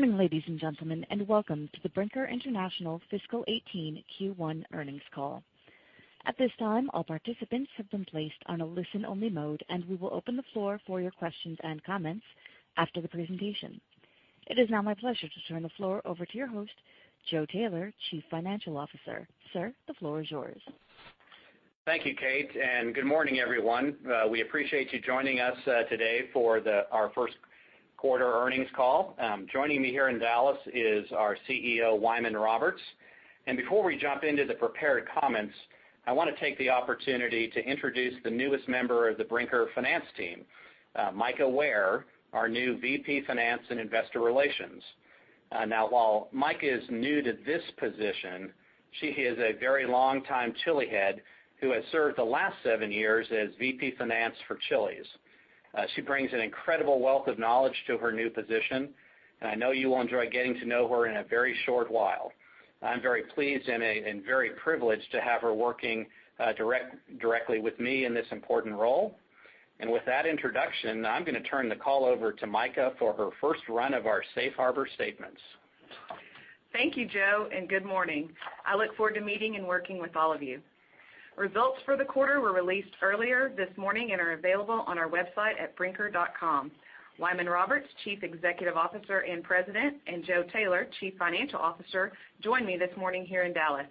Good morning, ladies and gentlemen, and welcome to the Brinker International Fiscal 2018 Q1 earnings call. At this time, all participants have been placed on a listen-only mode, and we will open the floor for your questions and comments after the presentation. It is now my pleasure to turn the floor over to your host, Joseph Taylor, Chief Financial Officer. Sir, the floor is yours. Thank you, Kate, and good morning, everyone. We appreciate you joining us today for our first quarter earnings call. Joining me here in Dallas is our CEO, Wyman Roberts. Before we jump into the prepared comments, I want to take the opportunity to introduce the newest member of the Brinker Finance team, Michaela Ware, our new VP Finance and Investor Relations. While Mika is new to this position, she is a very long-time Chilihead who has served the last seven years as VP Finance for Chili's. She brings an incredible wealth of knowledge to her new position, and I know you will enjoy getting to know her in a very short while. I'm very pleased and very privileged to have her working directly with me in this important role. With that introduction, I'm going to turn the call over to Mika for her first run of our safe harbor statements. Thank you, Joe, and good morning. I look forward to meeting and working with all of you. Results for the quarter were released earlier this morning and are available on our website at brinker.com. Wyman Roberts, Chief Executive Officer and President, and Joseph Taylor, Chief Financial Officer, join me this morning here in Dallas.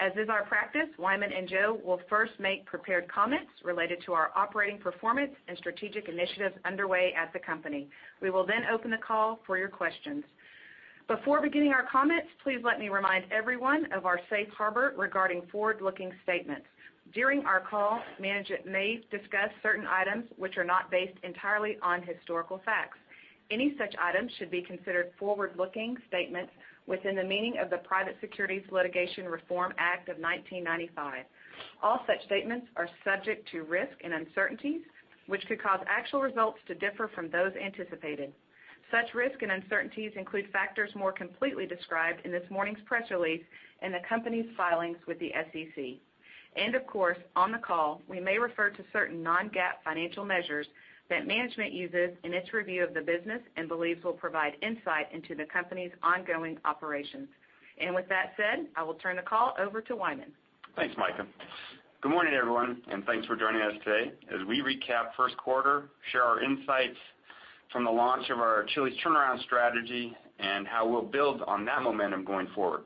As is our practice, Wyman and Joe will first make prepared comments related to our operating performance and strategic initiatives underway at the company. We will open the call for your questions. Before beginning our comments, please let me remind everyone of our safe harbor regarding forward-looking statements. During our call, management may discuss certain items which are not based entirely on historical facts. Any such items should be considered forward-looking statements within the meaning of the Private Securities Litigation Reform Act of 1995. All such statements are subject to risk and uncertainties, which could cause actual results to differ from those anticipated. Such risk and uncertainties include factors more completely described in this morning's press release and the company's filings with the SEC. Of course, on the call, we may refer to certain non-GAAP financial measures that management uses in its review of the business and believes will provide insight into the company's ongoing operations. With that said, I will turn the call over to Wyman. Thanks, Mika. Good morning, everyone, and thanks for joining us today as we recap first quarter, share our insights from the launch of our Chili's turnaround strategy, and how we'll build on that momentum going forward.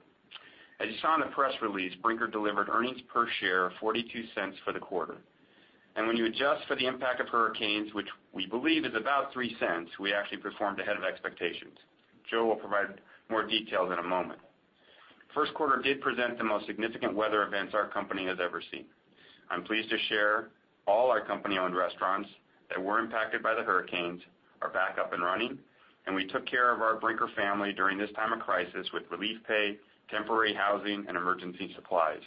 As you saw in the press release, Brinker delivered earnings per share of $0.42 for the quarter. When you adjust for the impact of hurricanes, which we believe is about $0.03, we actually performed ahead of expectations. Joe will provide more details in a moment. First quarter did present the most significant weather events our company has ever seen. I'm pleased to share all our company-owned restaurants that were impacted by the hurricanes are back up and running, and we took care of our Brinker family during this time of crisis with relief pay, temporary housing, and emergency supplies.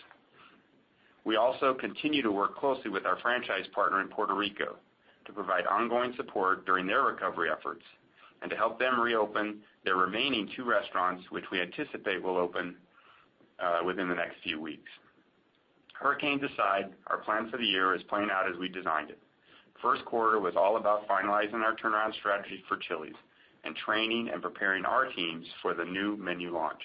We also continue to work closely with our franchise partner in Puerto Rico to provide ongoing support during their recovery efforts and to help them reopen their remaining two restaurants, which we anticipate will open within the next few weeks. Hurricanes aside, our plan for the year is playing out as we designed it. First quarter was all about finalizing our turnaround strategy for Chili's and training and preparing our teams for the new menu launch.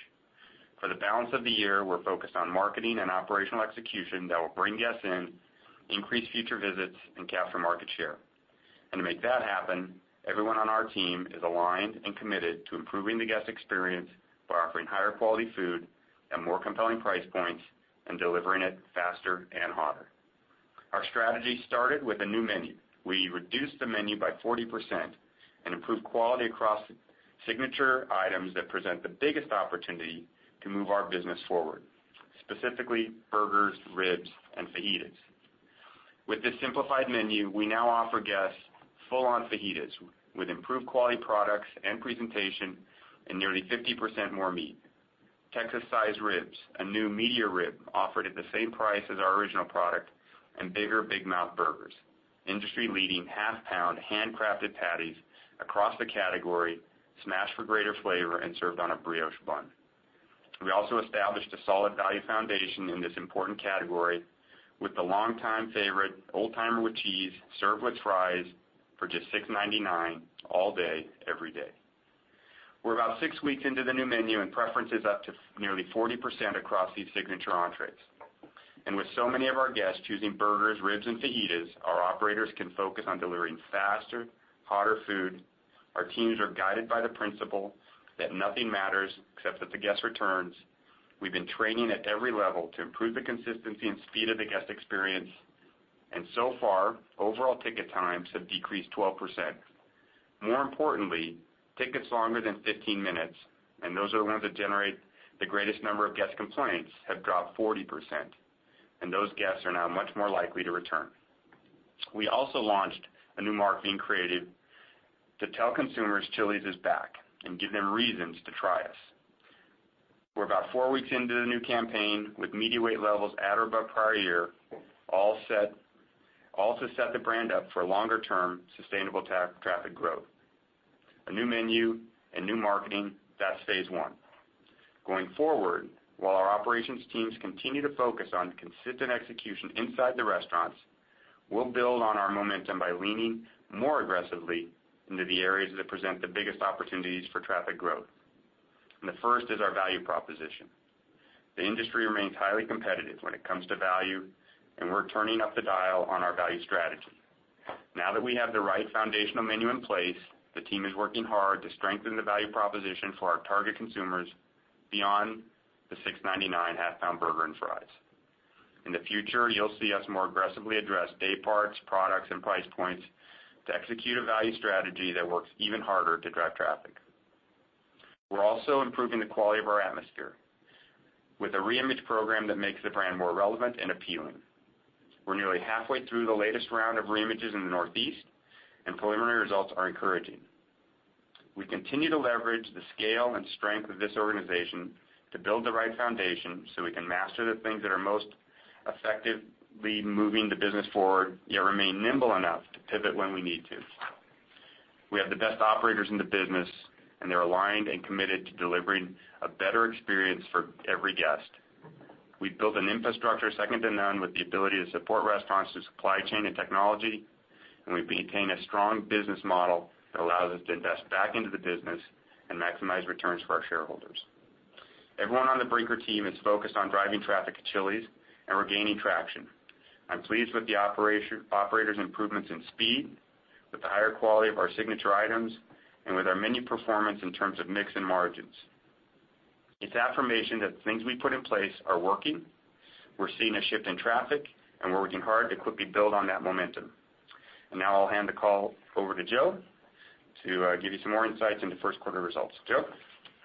For the balance of the year, we're focused on marketing and operational execution that will bring guests in, increase future visits, and capture market share. To make that happen, everyone on our team is aligned and committed to improving the guest experience by offering higher quality food at more compelling price points and delivering it faster and hotter. Our strategy started with a new menu. We reduced the menu by 40% and improved quality across signature items that present the biggest opportunity to move our business forward, specifically burgers, ribs, and fajitas. With this simplified menu, we now offer guests full-on fajitas with improved quality products and presentation and nearly 50% more meat, Texas-sized ribs, a new meatier rib offered at the same price as our original product, and bigger Big Mouth Burgers, industry-leading half-pound handcrafted patties across the category, smashed for greater flavor and served on a brioche bun. We also established a solid value foundation in this important category with the long-time favorite Old Timer with Cheese, served with fries for just $6.99 all day, every day. We're about six weeks into the new menu, and preference is up to nearly 40% across these signature entrees. With so many of our guests choosing burgers, ribs, and fajitas, our operators can focus on delivering faster, hotter food. Our teams are guided by the principle that nothing matters except that the guest returns. We've been training at every level to improve the consistency and speed of the guest experience. So far, overall ticket times have decreased 12%. More importantly, tickets longer than 15 minutes, and those are the ones that generate the greatest number of guest complaints, have dropped 40%, and those guests are now much more likely to return. We also launched a new marketing creative to tell consumers Chili's is back and give them reasons to try us. We're about four weeks into the new campaign, with media weight levels at or above prior year, all to set the brand up for longer-term, sustainable traffic growth. A new menu, a new marketing, that's phase 1. Going forward, while our operations teams continue to focus on consistent execution inside the restaurants, we'll build on our momentum by leaning more aggressively into the areas that present the biggest opportunities for traffic growth. The first is our value proposition. The industry remains highly competitive when it comes to value, and we're turning up the dial on our value strategy. Now that we have the right foundational menu in place, the team is working hard to strengthen the value proposition for our target consumers beyond the $6.99 half-pound burger and fries. In the future, you'll see us more aggressively address day parts, products, and price points to execute a value strategy that works even harder to drive traffic. We're also improving the quality of our atmosphere with a reimage program that makes the brand more relevant and appealing. We're nearly halfway through the latest round of reimages in the Northeast, and preliminary results are encouraging. We continue to leverage the scale and strength of this organization to build the right foundation so we can master the things that are most effectively moving the business forward, yet remain nimble enough to pivot when we need to. We have the best operators in the business, and they're aligned and committed to delivering a better experience for every guest. We've built an infrastructure second to none with the ability to support restaurants through supply chain and technology, and we've maintained a strong business model that allows us to invest back into the business and maximize returns for our shareholders. Everyone on the Brinker team is focused on driving traffic to Chili's and regaining traction. I'm pleased with the operators improvements in speed, with the higher quality of our signature items, and with our menu performance in terms of mix and margins. It's affirmation that the things we put in place are working. We're seeing a shift in traffic, and we're working hard to quickly build on that momentum. Now I'll hand the call over to Joe to give you some more insights into first quarter results. Joe?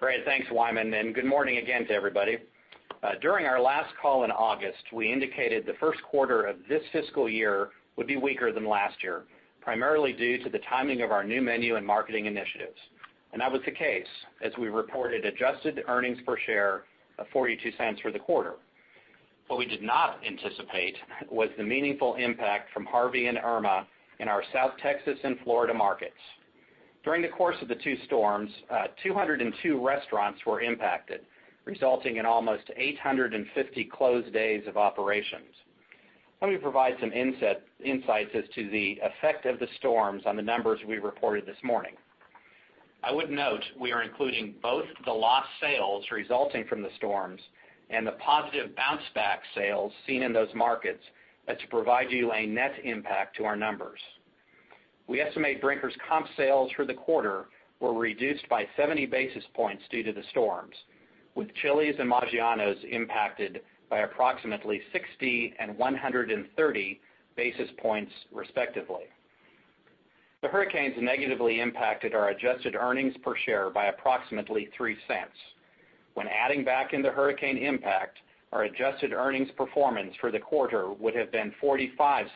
Great. Thanks, Wyman, and good morning again to everybody. During our last call in August, we indicated the first quarter of this fiscal year would be weaker than last year, primarily due to the timing of our new menu and marketing initiatives. That was the case as we reported adjusted earnings per share of $0.42 for the quarter. What we did not anticipate was the meaningful impact from Hurricane Harvey and Hurricane Irma in our South Texas and Florida markets. During the course of the two storms, 202 restaurants were impacted, resulting in almost 850 closed days of operations. Let me provide some insights as to the effect of the storms on the numbers we reported this morning. I would note we are including both the lost sales resulting from the storms and the positive bounce back sales seen in those markets to provide you a net impact to our numbers. We estimate Brinker's comp sales for the quarter were reduced by 70 basis points due to the storms, with Chili's and Maggiano's impacted by approximately 60 and 130 basis points respectively. The hurricanes negatively impacted our adjusted earnings per share by approximately $0.03. When adding back in the hurricane impact, our adjusted earnings performance for the quarter would have been $0.45,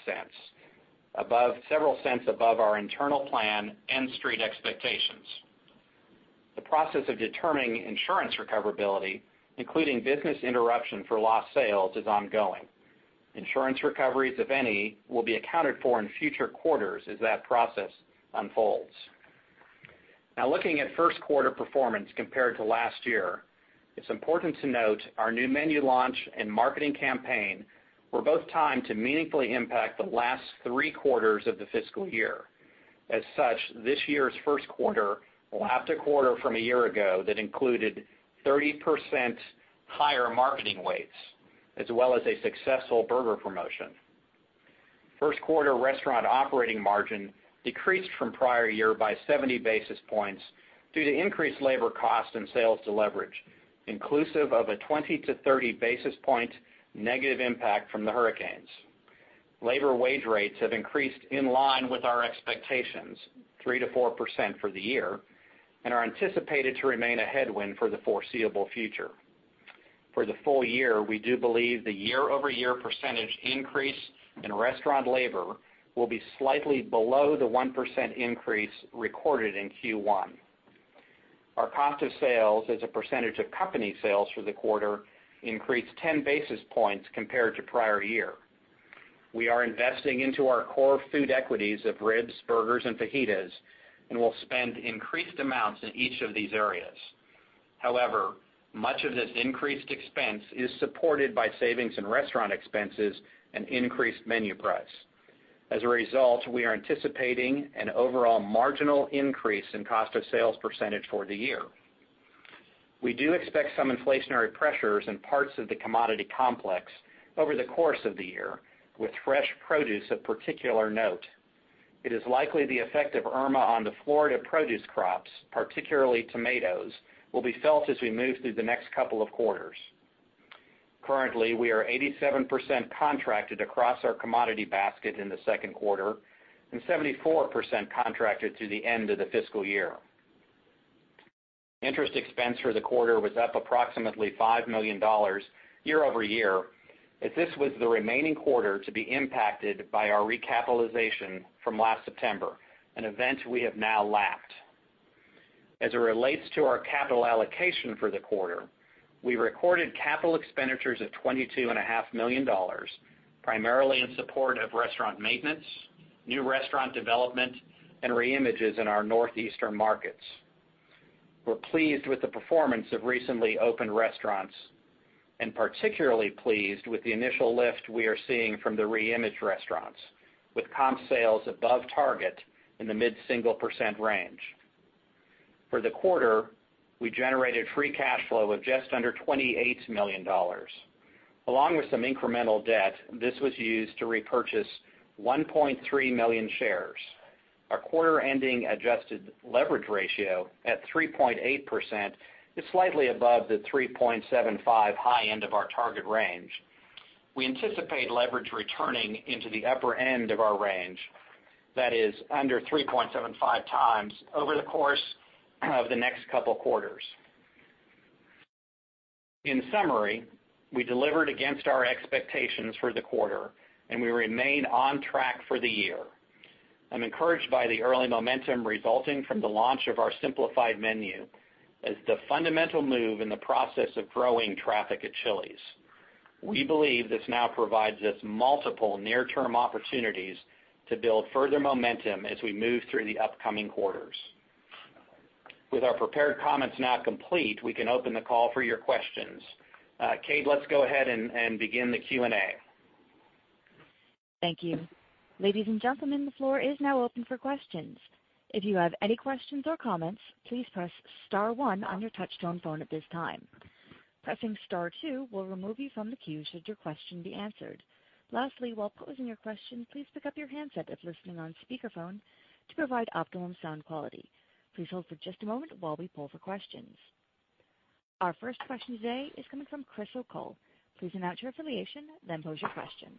several cents above our internal plan and Street expectations. The process of determining insurance recoverability, including business interruption for lost sales, is ongoing. Insurance recoveries, if any, will be accounted for in future quarters as that process unfolds. Looking at first quarter performance compared to last year, it's important to note our new menu launch and marketing campaign were both timed to meaningfully impact the last three quarters of the fiscal year. As such, this year's first quarter lapped a quarter from a year ago that included 30% higher marketing weights as well as a successful burger promotion. First quarter restaurant operating margin decreased from prior year by 70 basis points due to increased labor costs and sales deleverage, inclusive of a 20-30 basis point negative impact from the hurricanes. Labor wage rates have increased in line with our expectations, 3%-4% for the year, and are anticipated to remain a headwind for the foreseeable future. For the full year, we do believe the year-over-year percentage increase in restaurant labor will be slightly below the 1% increase recorded in Q1. Our cost of sales as a percentage of company sales for the quarter increased 10 basis points compared to prior year. We are investing into our core food equities of ribs, burgers, and fajitas, and we'll spend increased amounts in each of these areas. However, much of this increased expense is supported by savings in restaurant expenses and increased menu price. As a result, we are anticipating an overall marginal increase in cost of sales percentage for the year. We do expect some inflationary pressures in parts of the commodity complex over the course of the year, with fresh produce of particular note. It is likely the effect of Irma on the Florida produce crops, particularly tomatoes, will be felt as we move through the next couple of quarters. Currently, we are 87% contracted across our commodity basket in the second quarter and 74% contracted through the end of the fiscal year. Interest expense for the quarter was up approximately $5 million year-over-year, as this was the remaining quarter to be impacted by our recapitalization from last September, an event we have now lapped. As it relates to our capital allocation for the quarter, we recorded capital expenditures of $22.5 million, primarily in support of restaurant maintenance New restaurant development and re-images in our northeastern markets. We're pleased with the performance of recently opened restaurants, and particularly pleased with the initial lift we are seeing from the re-imaged restaurants, with comp sales above target in the mid-single percent range. For the quarter, we generated free cash flow of just under $28 million. Along with some incremental debt, this was used to repurchase 1.3 million shares. Our quarter-ending adjusted leverage ratio at 3.8% is slightly above the 3.75 high end of our target range. We anticipate leverage returning into the upper end of our range, that is under 3.75 times over the course of the next couple quarters. In summary, we delivered against our expectations for the quarter, and we remain on track for the year. I'm encouraged by the early momentum resulting from the launch of our simplified menu as the fundamental move in the process of growing traffic at Chili's. We believe this now provides us multiple near-term opportunities to build further momentum as we move through the upcoming quarters. With our prepared comments now complete, we can open the call for your questions. Kate, let's go ahead and begin the Q&A. Thank you. Ladies and gentlemen, the floor is now open for questions. If you have any questions or comments, please press star one on your touch-tone phone at this time. Pressing star two will remove you from the queue should your question be answered. Lastly, while posing your question, please pick up your handset if listening on speakerphone to provide optimum sound quality. Please hold for just a moment while we poll for questions. Our first question today is coming from Chris O'Cull. Please announce your affiliation, then pose your question.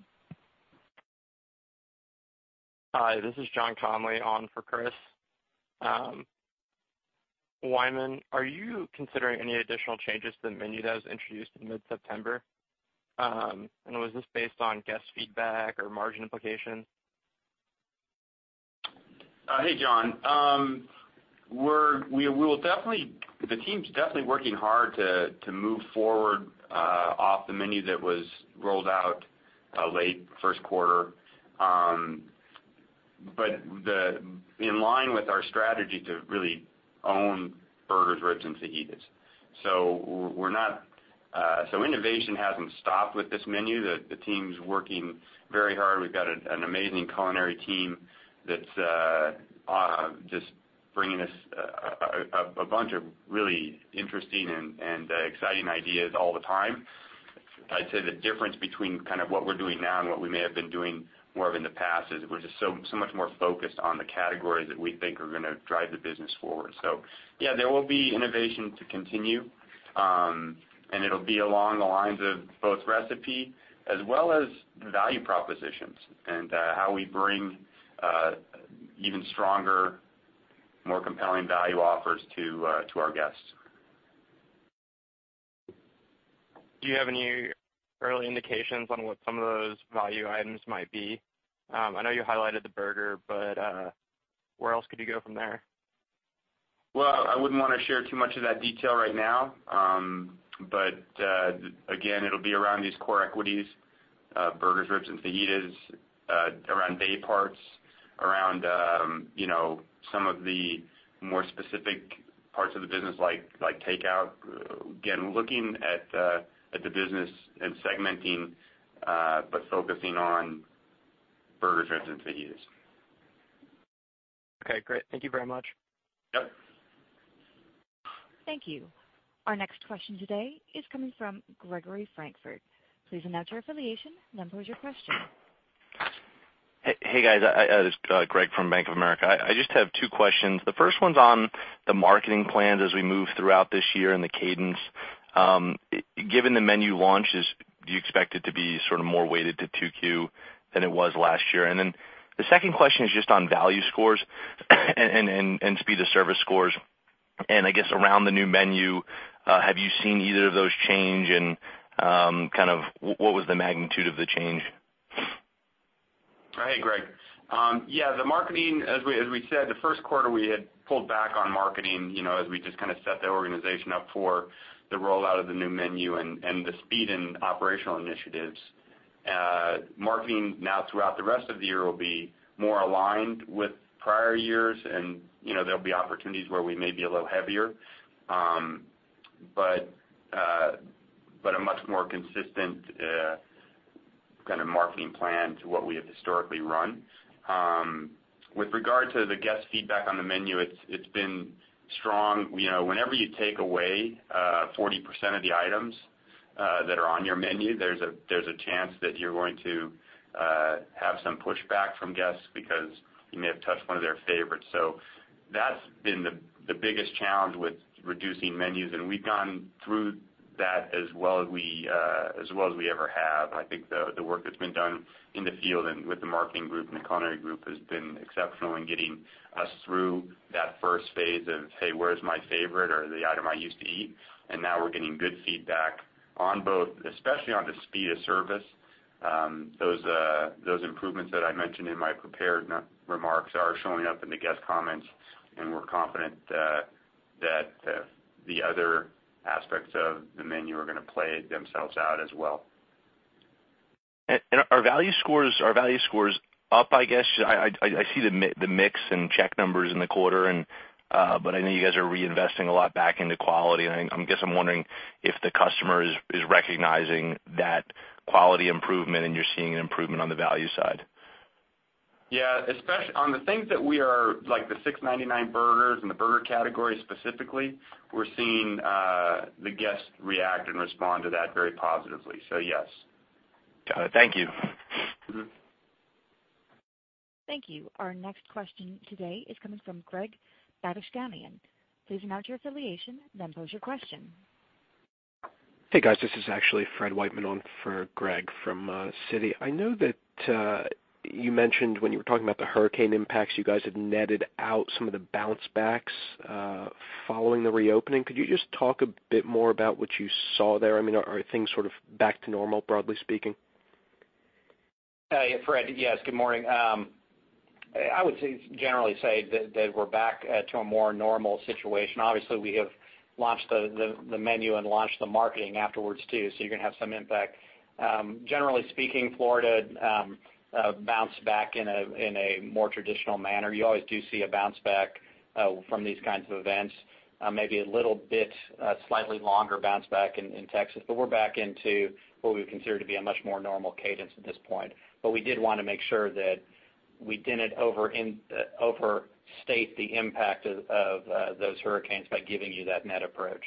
Hi, this is John Glass on for Chris. Wyman, are you considering any additional changes to the menu that was introduced in mid-September? Was this based on guest feedback or margin implications? Hey, John. The team's definitely working hard to move forward off the menu that was rolled out late first quarter, in line with our strategy to really own burgers, ribs, and fajitas. Innovation hasn't stopped with this menu. The team's working very hard. We've got an amazing culinary team that's just bringing us a bunch of really interesting and exciting ideas all the time. I'd say the difference between what we're doing now and what we may have been doing more of in the past is we're just so much more focused on the categories that we think are going to drive the business forward. Yeah, there will be innovation to continue, it'll be along the lines of both recipe as well as value propositions and how we bring even stronger, more compelling value offers to our guests. Do you have any early indications on what some of those value items might be? I know you highlighted the burger, where else could you go from there? Well, I wouldn't want to share too much of that detail right now. Again, it'll be around these core equities of burgers, ribs, and fajitas, around day parts, around some of the more specific parts of the business, like takeout. Again, looking at the business and segmenting, focusing on burgers, ribs, and fajitas. Okay, great. Thank you very much. Yep. Thank you. Our next question today is coming from Gregory Francfort. Please announce your affiliation, then pose your question. Hey, guys, this is Greg from Bank of America. I just have two questions. The first one's on the marketing plans as we move throughout this year and the cadence. Given the menu launches, do you expect it to be more weighted to 2Q than it was last year? The second question is just on value scores and speed of service scores. I guess around the new menu, have you seen either of those change and what was the magnitude of the change? Hey, Greg. Yeah, the marketing, as we said, the first quarter, we had pulled back on marketing, as we just set the organization up for the rollout of the new menu and the speed and operational initiatives. Marketing now throughout the rest of the year will be more aligned with prior years, and there'll be opportunities where we may be a little heavier. A much more consistent kind of marketing plan to what we have historically run. With regard to the guest feedback on the menu, it's been strong. Whenever you take away 40% of the items that are on your menu, there's a chance that you're going to have some pushback from guests because you may have touched one of their favorites. That's been the biggest challenge with reducing menus, and we've gone through that as well as we ever have. I think the work that's been done in the field and with the marketing group and the culinary group has been exceptional in getting us through that first phase of, "Hey, where's my favorite?" or "The item I used to eat." Now we're getting good feedback on both, especially on the speed of service. Those improvements that I mentioned in my prepared remarks are showing up in the guest comments, and we're confident that That the other aspects of the menu are going to play themselves out as well. Are value scores up, I guess? I see the mix and check numbers in the quarter, but I know you guys are reinvesting a lot back into quality, and I guess I'm wondering if the customer is recognizing that quality improvement and you're seeing an improvement on the value side. Yeah. On the things like the $6.99 burgers and the burger category specifically, we're seeing the guests react and respond to that very positively. Yes. Got it. Thank you. Thank you. Our next question today is coming from Gregory Badishkanian. Please announce your affiliation, then pose your question. Hey, guys. This is actually Freddie Wightman on for Greg from Citi. I know that you mentioned when you were talking about the hurricane impacts, you guys had netted out some of the bounce backs following the reopening. Could you just talk a bit more about what you saw there? Are things sort of back to normal, broadly speaking? Hey. Fred, yes, good morning. I would generally say that we're back to a more normal situation. Obviously, we have launched the menu and launched the marketing afterwards too, so you're going to have some impact. Generally speaking, Florida bounced back in a more traditional manner. You always do see a bounce back from these kinds of events, maybe a little bit slightly longer bounce back in Texas. We're back into what we would consider to be a much more normal cadence at this point. We did want to make sure that we didn't overstate the impact of those hurricanes by giving you that net approach.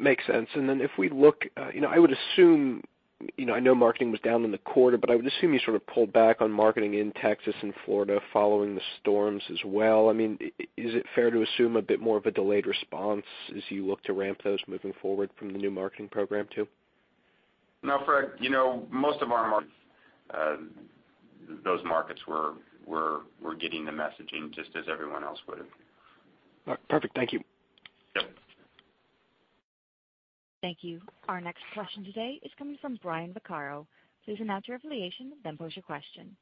Makes sense. I would assume, I know marketing was down in the quarter, but I would assume you sort of pulled back on marketing in Texas and Florida following the storms as well. Is it fair to assume a bit more of a delayed response as you look to ramp those moving forward from the new marketing program, too? No, Fred. Most of our markets, those markets were getting the messaging just as everyone else would've. All right. Perfect. Thank you. Yep. Thank you. Our next question today is coming from Brian Vaccaro. Please announce your affiliation, then pose your question.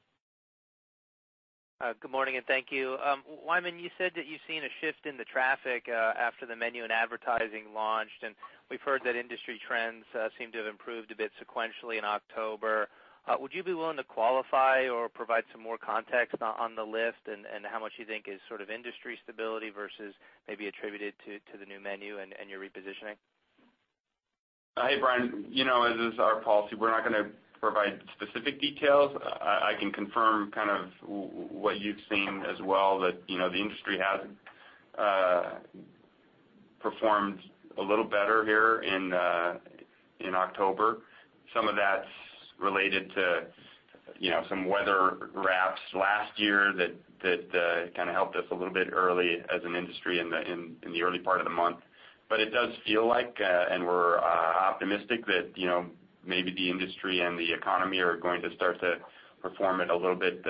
Good morning, and thank you. Wyman, you said that you've seen a shift in the traffic after the menu and advertising launched, and we've heard that industry trends seem to have improved a bit sequentially in October. Would you be willing to qualify or provide some more context on the lift and how much you think is sort of industry stability versus maybe attributed to the new menu and your repositioning? Hey, Brian. As is our policy, we're not going to provide specific details. I can confirm kind of what you've seen as well, that the industry has performed a little better here in October. Some of that's related to some weather wraps last year that kind of helped us a little bit early as an industry in the early part of the month. It does feel like, and we're optimistic that maybe the industry and the economy are going to start to perform at a little bit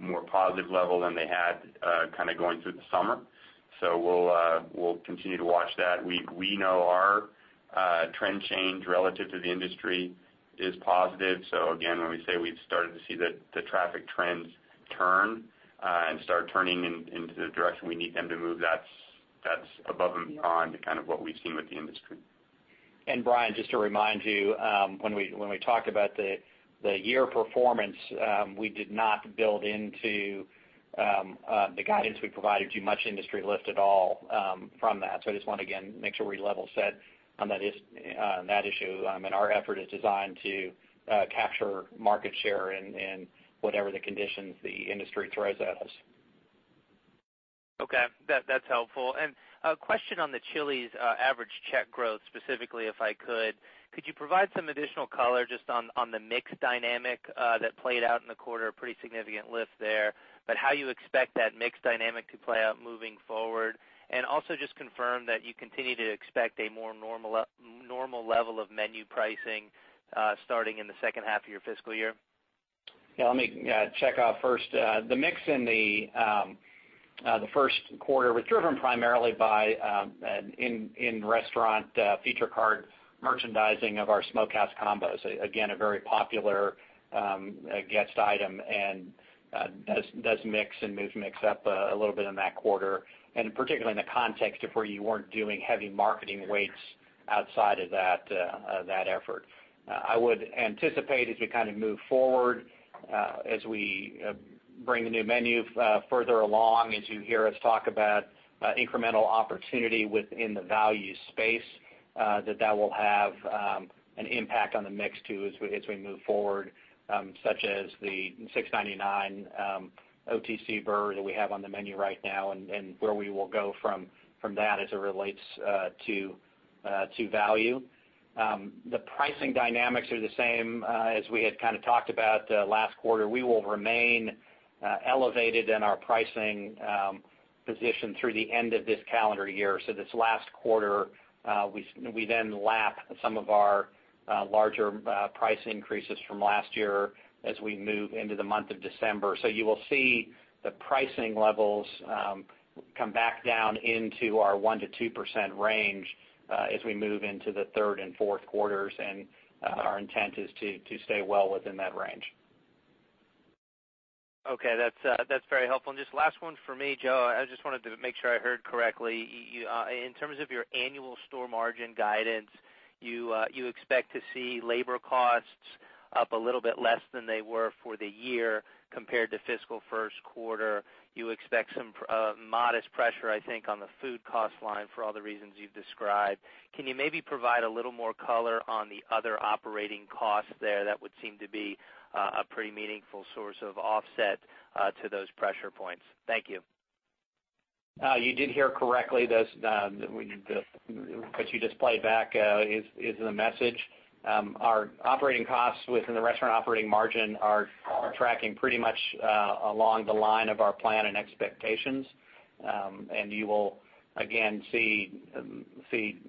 more positive level than they had going through the summer. We'll continue to watch that. We know our trend change relative to the industry is positive. Again, when we say we've started to see the traffic trends turn and start turning into the direction we need them to move, that's above and beyond kind of what we've seen with the industry. Brian, just to remind you, when we talked about the year performance, we did not build into the guidance we provided you much industry lift at all from that. I just want to, again, make sure we level set on that issue. Our effort is designed to capture market share in whatever the conditions the industry throws at us. Okay. That's helpful. A question on the Chili's average check growth specifically, if I could. Could you provide some additional color just on the mix dynamic that played out in the quarter, a pretty significant lift there. How you expect that mix dynamic to play out moving forward, and also just confirm that you continue to expect a more normal level of menu pricing starting in the second half of your fiscal year. Yeah, let me check off first. The mix in the first quarter was driven primarily by in-restaurant feature card merchandising of our Smokehouse Combos. Again, a very popular guest item, does mix and move mix up a little bit in that quarter, particularly in the context of where you weren't doing heavy marketing weights outside of that effort. I would anticipate as we kind of move forward, as we bring the new menu further along, as you hear us talk about incremental opportunity within the value space, that that will have an impact on the mix too as we move forward, such as the $6.99 OTC burger that we have on the menu right now and where we will go from that as it relates to value. The pricing dynamics are the same as we had kind of talked about last quarter. We will remain elevated in our pricing position through the end of this calendar year. This last quarter, we lap some of our larger price increases from last year as we move into the month of December. You will see the pricing levels come back down into our 1%-2% range as we move into the third and fourth quarters, our intent is to stay well within that range. Okay, that's very helpful. Just last one for me, Joe. I just wanted to make sure I heard correctly. In terms of your annual store margin guidance, you expect to see labor costs up a little bit less than they were for the year compared to fiscal first quarter. You expect some modest pressure, I think, on the food cost line for all the reasons you've described. Can you maybe provide a little more color on the other operating costs there? That would seem to be a pretty meaningful source of offset to those pressure points. Thank you. You did hear correctly. What you just played back is the message. Our operating costs within the restaurant operating margin are tracking pretty much along the line of our plan and expectations. You will, again, see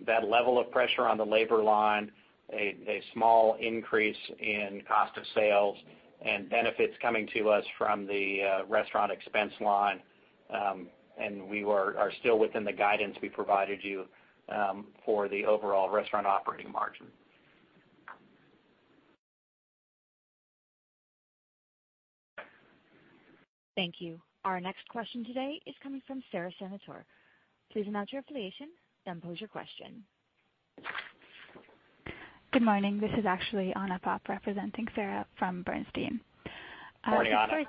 that level of pressure on the labor line, a small increase in cost of sales, and benefits coming to us from the restaurant expense line. We are still within the guidance we provided you for the overall restaurant operating margin. Thank you. Our next question today is coming from Sara Senatore. Please announce your affiliation, then pose your question. Good morning. This is actually Anu Appaiah representing Sara from Bernstein. Morning, Anu.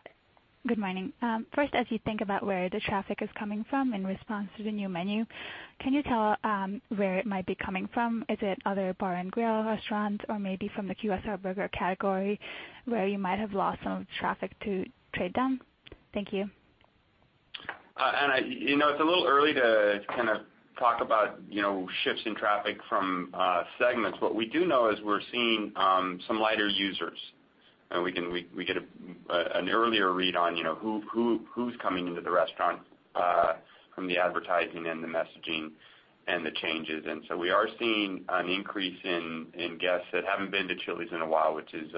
Good morning. First, as you think about where the traffic is coming from in response to the new menu, can you tell where it might be coming from? Is it other bar and grill restaurants or maybe from the QSR burger category where you might have lost some traffic to trade down? Thank you. Anu, it's a little early to talk about shifts in traffic from segments. What we do know is we're seeing some lighter users, and we get an earlier read on who's coming into the restaurant from the advertising and the messaging and the changes. So we are seeing an increase in guests that haven't been to Chili's in a while, which is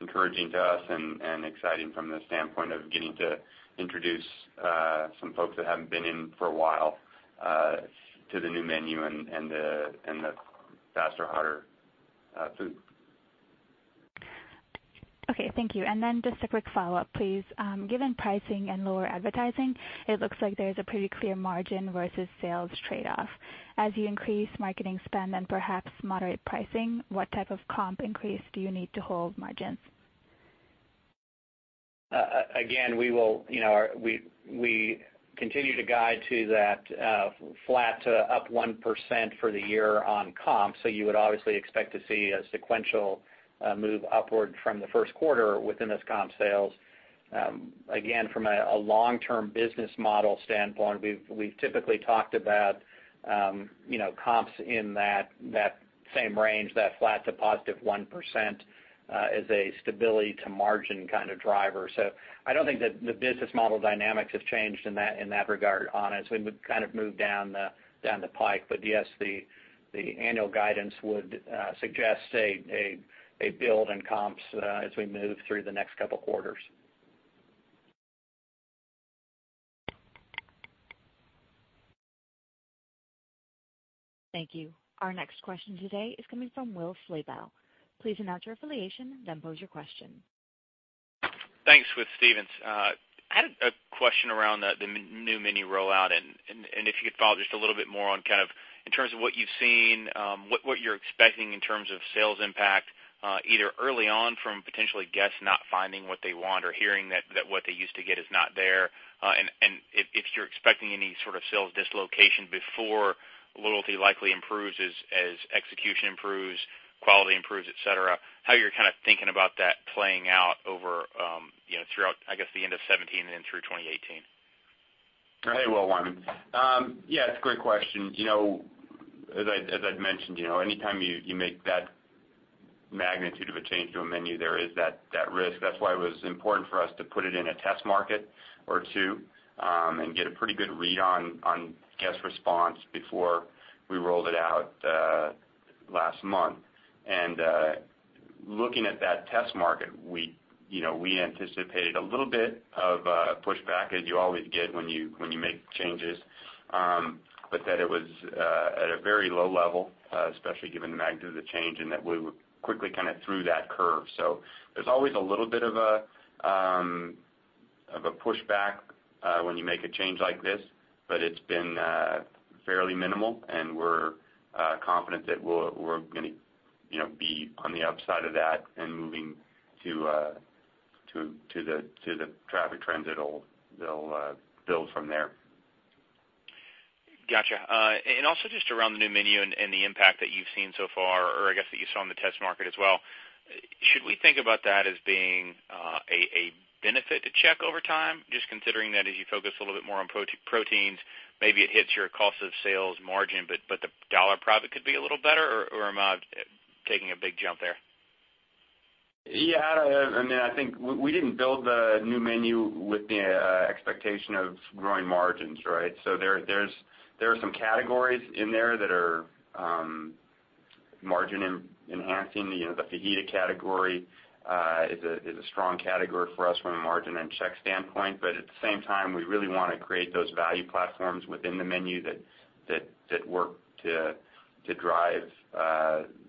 encouraging to us and exciting from the standpoint of getting to introduce some folks that haven't been in for a while to the new menu and the faster, hotter food. Okay, thank you. Just a quick follow-up, please. Given pricing and lower advertising, it looks like there's a pretty clear margin versus sales trade-off. As you increase marketing spend and perhaps moderate pricing, what type of comp increase do you need to hold margins? Again, we continue to guide to that flat to up 1% for the year on comps. You would obviously expect to see a sequential move upward from the first quarter within this comp sales. Again, from a long-term business model standpoint, we've typically talked about comps in that same range, that flat to positive 1%, as a stability to margin kind of driver. I don't think that the business model dynamics have changed in that regard, Anu, as we kind of move down the pike. Yes, the annual guidance would suggest a build in comps as we move through the next couple quarters. Thank you. Our next question today is coming from Will Slabaugh. Please announce your affiliation, then pose your question. Thanks. With Stephens. I had a question around the new menu rollout, if you could follow just a little bit more on in terms of what you've seen, what you're expecting in terms of sales impact, either early on from potentially guests not finding what they want or hearing that what they used to get is not there, if you're expecting any sort of sales dislocation before loyalty likely improves as execution improves, quality improves, et cetera. How you're kind of thinking about that playing out throughout the end of 2017 and through 2018. Hey, Will. Yeah, it's a great question. As I'd mentioned, anytime you make that magnitude of a change to a menu, there is that risk. That's why it was important for us to put it in a test market or two and get a pretty good read on guest response before we rolled it out last month. That it was at a very low level, especially given the magnitude of the change, and that we were quickly kind of through that curve. There's always a little bit of a pushback when you make a change like this, but it's been fairly minimal, and we're confident that we're going to be on the upside of that and moving to the traffic trends that they'll build from there. Got you. Also just around the new menu and the impact that you've seen so far, or I guess that you saw in the test market as well, should we think about that as being a benefit to check over time? Just considering that as you focus a little bit more on proteins, maybe it hits your cost of sales margin, but the dollar profit could be a little better, or am I taking a big jump there? I think we didn't build the new menu with the expectation of growing margins, right? There are some categories in there that are margin enhancing. The fajita category is a strong category for us from a margin and check standpoint. At the same time, we really want to create those value platforms within the menu that work to drive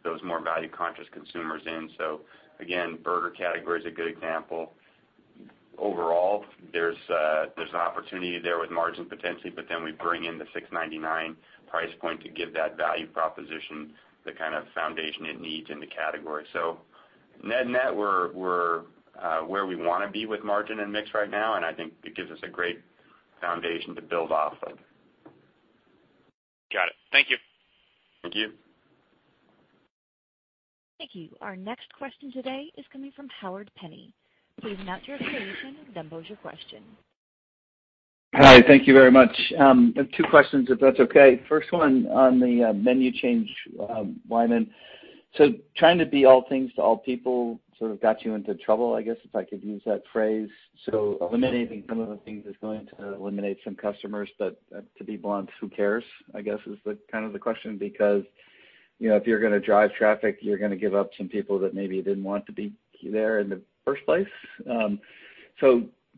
those more value-conscious consumers in. Again, burger category is a good example. Overall, there's an opportunity there with margin potentially. We bring in the $6.99 price point to give that value proposition the kind of foundation it needs in the category. Net-net, we're where we want to be with margin and mix right now, and I think it gives us a great foundation to build off of. Got it. Thank you. Thank you. Thank you. Our next question today is coming from Howard Penney. Please announce your affiliation, then pose your question. Hi, thank you very much. I have two questions, if that's okay. First one on the menu change, Wyman. Trying to be all things to all people sort of got you into trouble, I guess, if I could use that phrase. Eliminating some of the things is going to eliminate some customers, but to be blunt, who cares? I guess is kind of the question, because if you're going to drive traffic, you're going to give up some people that maybe didn't want to be there in the first place.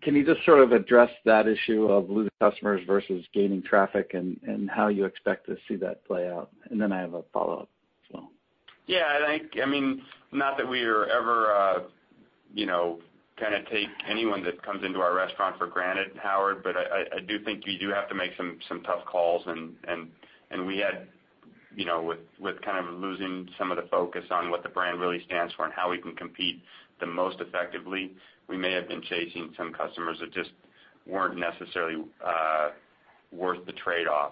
Can you just sort of address that issue of losing customers versus gaining traffic and how you expect to see that play out? I have a follow-up as well. Yeah, not that we ever take anyone that comes into our restaurant for granted, Howard, but I do think you do have to make some tough calls. With kind of losing some of the focus on what the brand really stands for and how we can compete the most effectively, we may have been chasing some customers that just weren't necessarily worth the trade-off.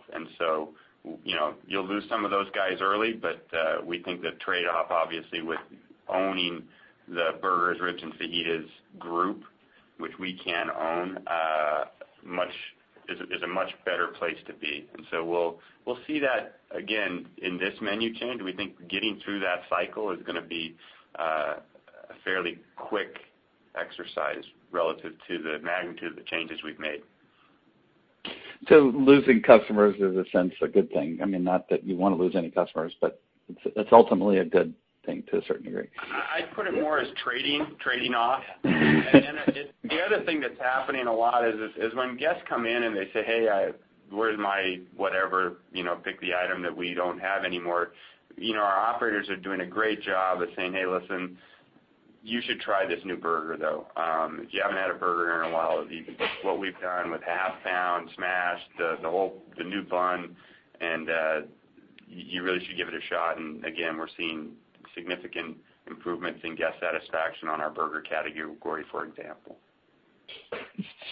You'll lose some of those guys early, but we think the trade-off, obviously, with owning the burgers, ribs, and fajitas group, which we can own, is a much better place to be. We'll see that again in this menu change. We think getting through that cycle is going to be a fairly quick exercise relative to the magnitude of the changes we've made. Losing customers is a sense a good thing. Not that you want to lose any customers, but it's ultimately a good thing to a certain degree. I'd put it more as trading off. The other thing that's happening a lot is when guests come in and they say, "Hey, where's my whatever," pick the item that we don't have anymore. Our operators are doing a great job of saying, "Hey, listen, you should try this new burger, though. If you haven't had a burger in a while, what we've done with half-pound smash, the new bun, and you really should give it a shot." Again, we're seeing significant improvements in guest satisfaction on our burger category, for example.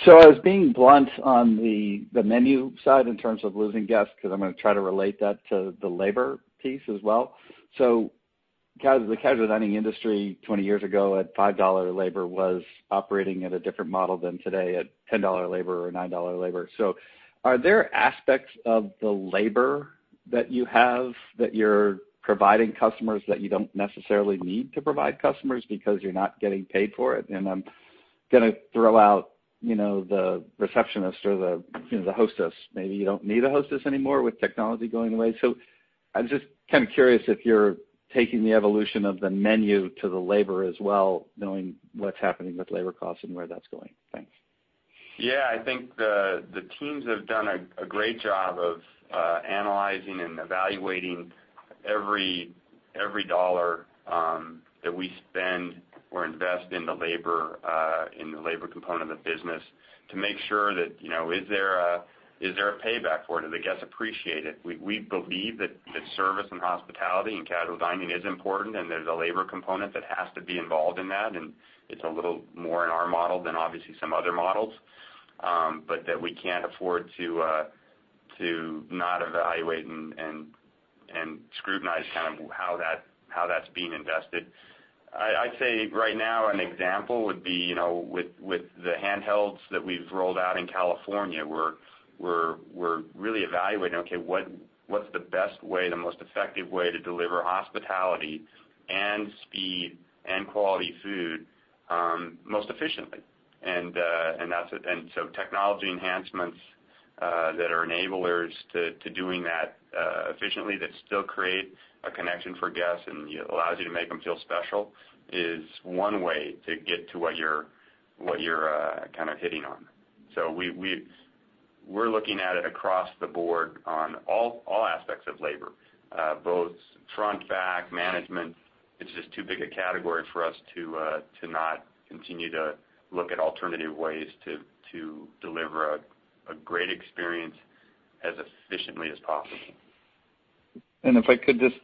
I was being blunt on the menu side in terms of losing guests, because I'm going to try to relate that to the labor piece as well. The casual dining industry 20 years ago at $5 labor was operating at a different model than today at $10 labor or $9 labor. Are there aspects of the labor that you have that you're providing customers that you don't necessarily need to provide customers because you're not getting paid for it? I'm going to throw out the receptionist or the hostess. Maybe you don't need a hostess anymore with technology going the way. I'm just kind of curious if you're taking the evolution of the menu to the labor as well, knowing what's happening with labor costs and where that's going. Thanks. I think the teams have done a great job of analyzing and evaluating every dollar that we spend or invest in the labor component of the business to make sure that, is there a payback for it? Do the guests appreciate it? We believe that service and hospitality in casual dining is important, and there's a labor component that has to be involved in that, and it's a little more in our model than obviously some other models, but that we can't afford to not evaluate and scrutinize how that's being invested. I'd say right now an example would be with the handhelds that we've rolled out in California. We're really evaluating, okay, what's the best way, the most effective way to deliver hospitality and speed and quality food most efficiently? Technology enhancements that are enablers to doing that efficiently that still create a connection for guests and allows you to make them feel special is one way to get to what you're kind of hitting on. We're looking at it across the board on all aspects of labor, both front, back, management. It's just too big a category for us to not continue to look at alternative ways to deliver a great experience as efficiently as possible. If I could just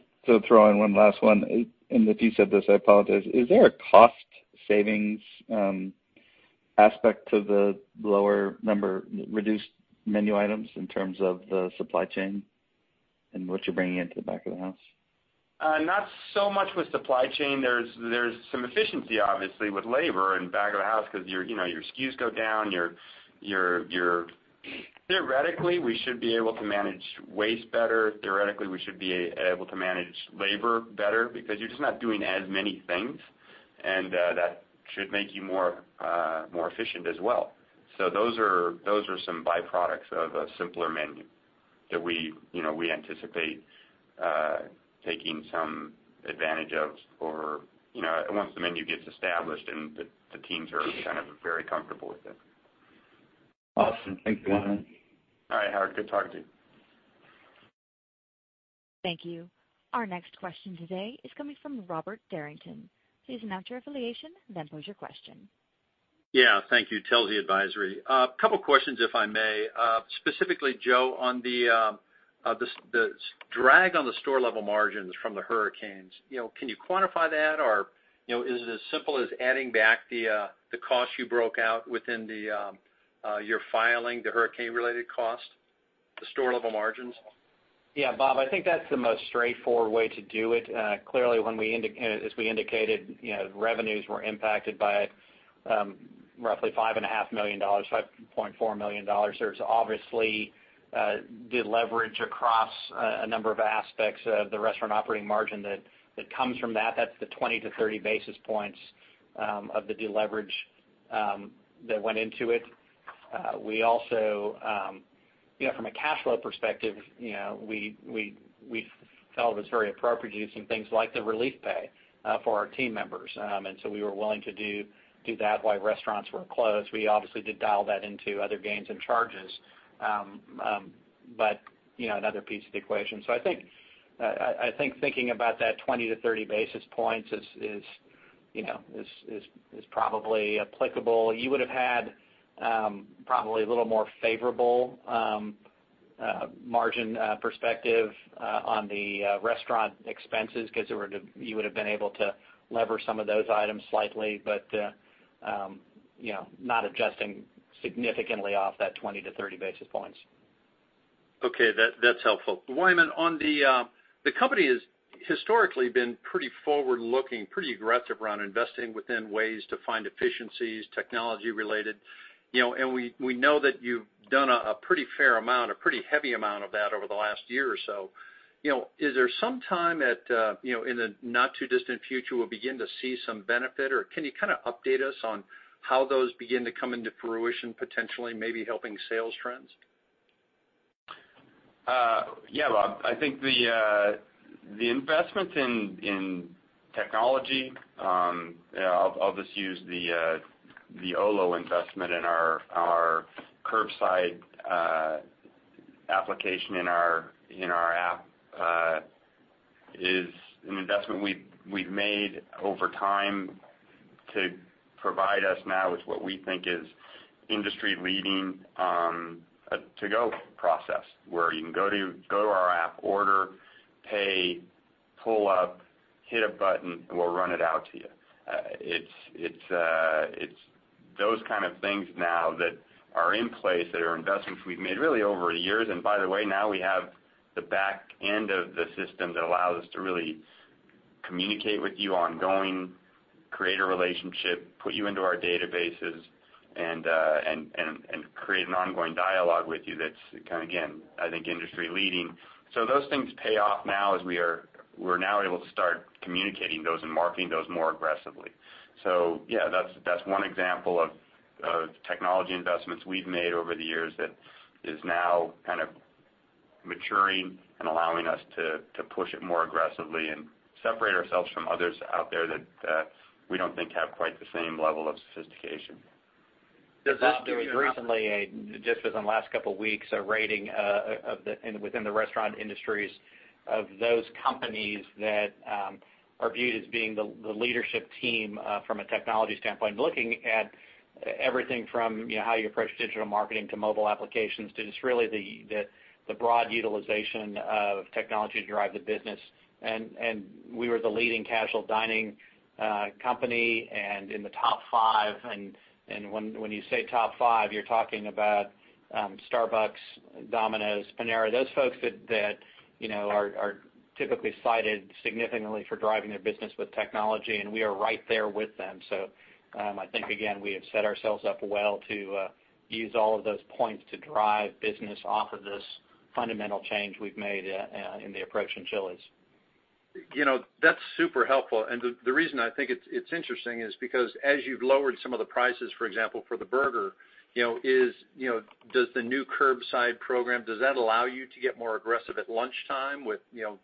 throw in one last one, and if you said this, I apologize. Is there a cost savings aspect to the lower number, reduced menu items in terms of the supply chain and what you're bringing into the back of the house? Not so much with supply chain. There's some efficiency, obviously, with labor and back of the house because your SKUs go down. Theoretically, we should be able to manage waste better. Theoretically, we should be able to manage labor better because you're just not doing as many things, and that should make you more efficient as well. Those are some byproducts of a simpler menu that we anticipate taking some advantage of once the menu gets established and the teams are kind of very comfortable with it. Awesome. Thank you, Wyman. All right, Howard. Good talking to you. Thank you. Our next question today is coming from Robert Derrington. Please announce your affiliation, then pose your question. Yeah. Thank you. Telsey Advisory. A couple questions, if I may. Specifically, Joe, on the drag on the store level margins from the hurricanes. Can you quantify that? Or is it as simple as adding back the cost you broke out within your filing, the hurricane related cost, the store level margins? Yeah, Bob, I think that's the most straightforward way to do it. Clearly, as we indicated, revenues were impacted by roughly $5.4 million. There's obviously deleverage across a number of aspects of the restaurant operating margin that comes from that. That's the 20-30 basis points of the deleverage that went into it. From a cash flow perspective, we felt it was very appropriate using things like the relief pay for our team members. We were willing to do that while restaurants were closed. We obviously did dial that into other gains and charges. Another piece of the equation. I think thinking about that 20-30 basis points is probably applicable. You would have had probably a little more favorable margin perspective on the restaurant expenses because you would have been able to lever some of those items slightly. Not adjusting significantly off that 20-30 basis points. That's helpful. Wyman, the company has historically been pretty forward-looking, pretty aggressive around investing within ways to find efficiencies, technology related. We know that you've done a pretty fair amount, a pretty heavy amount of that over the last year or so. Is there some time in the not too distant future we'll begin to see some benefit, or can you update us on how those begin to come into fruition, potentially maybe helping sales trends? Yeah, Bob. I think the investments in technology, I'll just use the Olo investment in our curbside application in our app, is an investment we've made over time to provide us now with what we think is industry leading to-go process, where you can go to our app, order, pay, pull up, hit a button, and we'll run it out to you. It's those kind of things now that are in place that are investments we've made really over years. By the way, now we have the back end of the system that allows us to really communicate with you ongoing, create a relationship, put you into our databases, and create an ongoing dialogue with you that's, again, I think industry leading. Those things pay off now as we're now able to start communicating those and marketing those more aggressively. Yeah, that's one example of technology investments we've made over the years that is now maturing and allowing us to push it more aggressively and separate ourselves from others out there that we don't think have quite the same level of sophistication. There was recently, just within the last couple of weeks, a rating within the restaurant industries of those companies that are viewed as being the leadership team from a technology standpoint. Looking at everything from how you approach digital marketing to mobile applications, to just really the broad utilization of technology to drive the business. We were the leading casual dining company and in the top five. When you say top five, you're talking about Starbucks, Domino's, Panera, those folks that are typically cited significantly for driving their business with technology. We are right there with them. I think, again, we have set ourselves up well to use all of those points to drive business off of this fundamental change we've made in the approach in Chili's. That's super helpful. The reason I think it's interesting is because as you've lowered some of the prices, for example, for the burger, does the new curbside program, does that allow you to get more aggressive at lunchtime with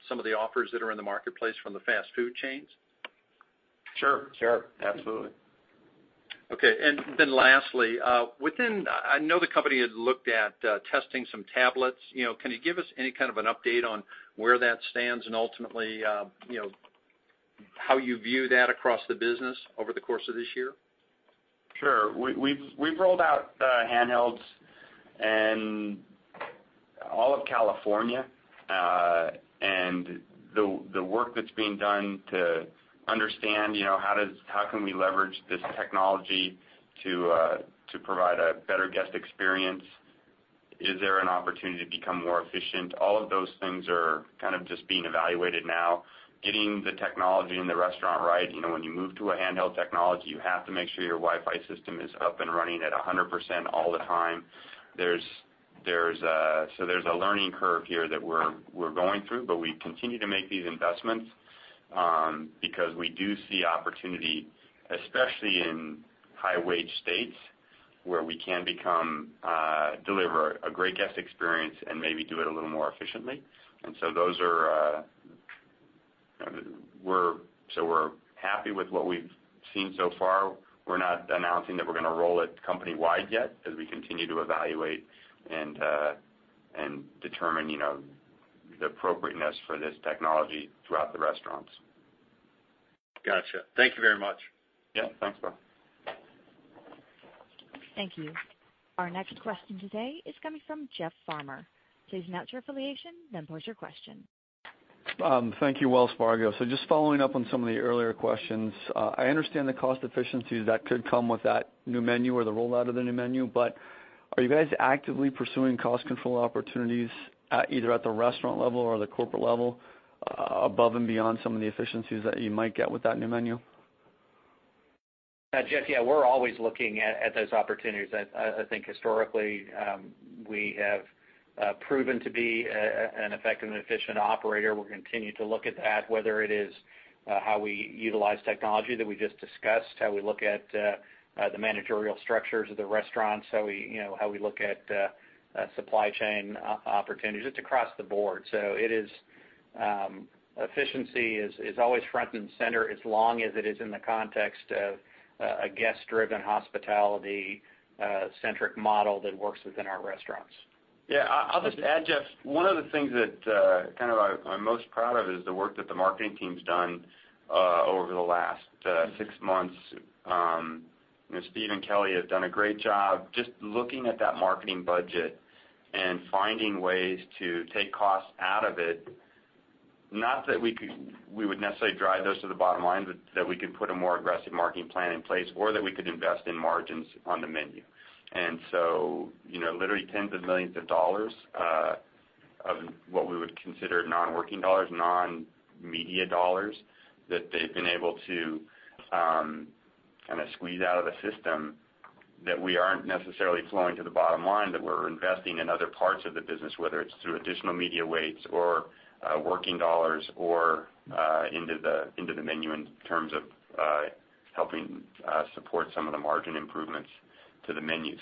some of the offers that are in the marketplace from the fast food chains? Sure. Absolutely. Okay. Lastly, I know the company had looked at testing some tablets. Can you give us any kind of an update on where that stands and ultimately how you view that across the business over the course of this year? Sure. We've rolled out handhelds in all of California. The work that's being done to understand how can we leverage this technology to provide a better guest experience. Is there an opportunity to become more efficient? All of those things are just being evaluated now. Getting the technology in the restaurant right. When you move to a handheld technology, you have to make sure your Wi-Fi system is up and running at 100% all the time. There's a learning curve here that we're going through, but we continue to make these investments because we do see opportunity, especially in high-wage states, where we can deliver a great guest experience and maybe do it a little more efficiently. We're happy with what we've seen so far. We're not announcing that we're going to roll it company-wide yet, as we continue to evaluate and determine the appropriateness for this technology throughout the restaurants. Got you. Thank you very much. Yeah. Thanks, Bob. Thank you. Our next question today is coming from Jeffrey Farmer. Please announce your affiliation, then pose your question. Thank you, Wells Fargo. Just following up on some of the earlier questions. I understand the cost efficiencies that could come with that new menu or the rollout of the new menu. Are you guys actively pursuing cost control opportunities either at the restaurant level or the corporate level, above and beyond some of the efficiencies that you might get with that new menu? Jeff, we're always looking at those opportunities. I think historically, we have proven to be an effective and efficient operator. We'll continue to look at that, whether it is how we utilize technology that we just discussed, how we look at the managerial structures of the restaurants, how we look at supply chain opportunities, just across the board. Efficiency is always front and center as long as it is in the context of a guest-driven hospitality-centric model that works within our restaurants. I'll just add, Jeff, one of the things that I'm most proud of is the work that the marketing team's done over the last six months. Steve and Kelly have done a great job just looking at that marketing budget and finding ways to take costs out of it. Not that we would necessarily drive those to the bottom line, that we could put a more aggressive marketing plan in place or that we could invest in margins on the menu. Literally tens of millions of dollars of what we would consider non-working dollars, non-media dollars, that they've been able to kind of squeeze out of the system that we aren't necessarily flowing to the bottom line, that we're investing in other parts of the business, whether it's through additional media weights or working dollars or into the menu in terms of helping support some of the margin improvements to the menu.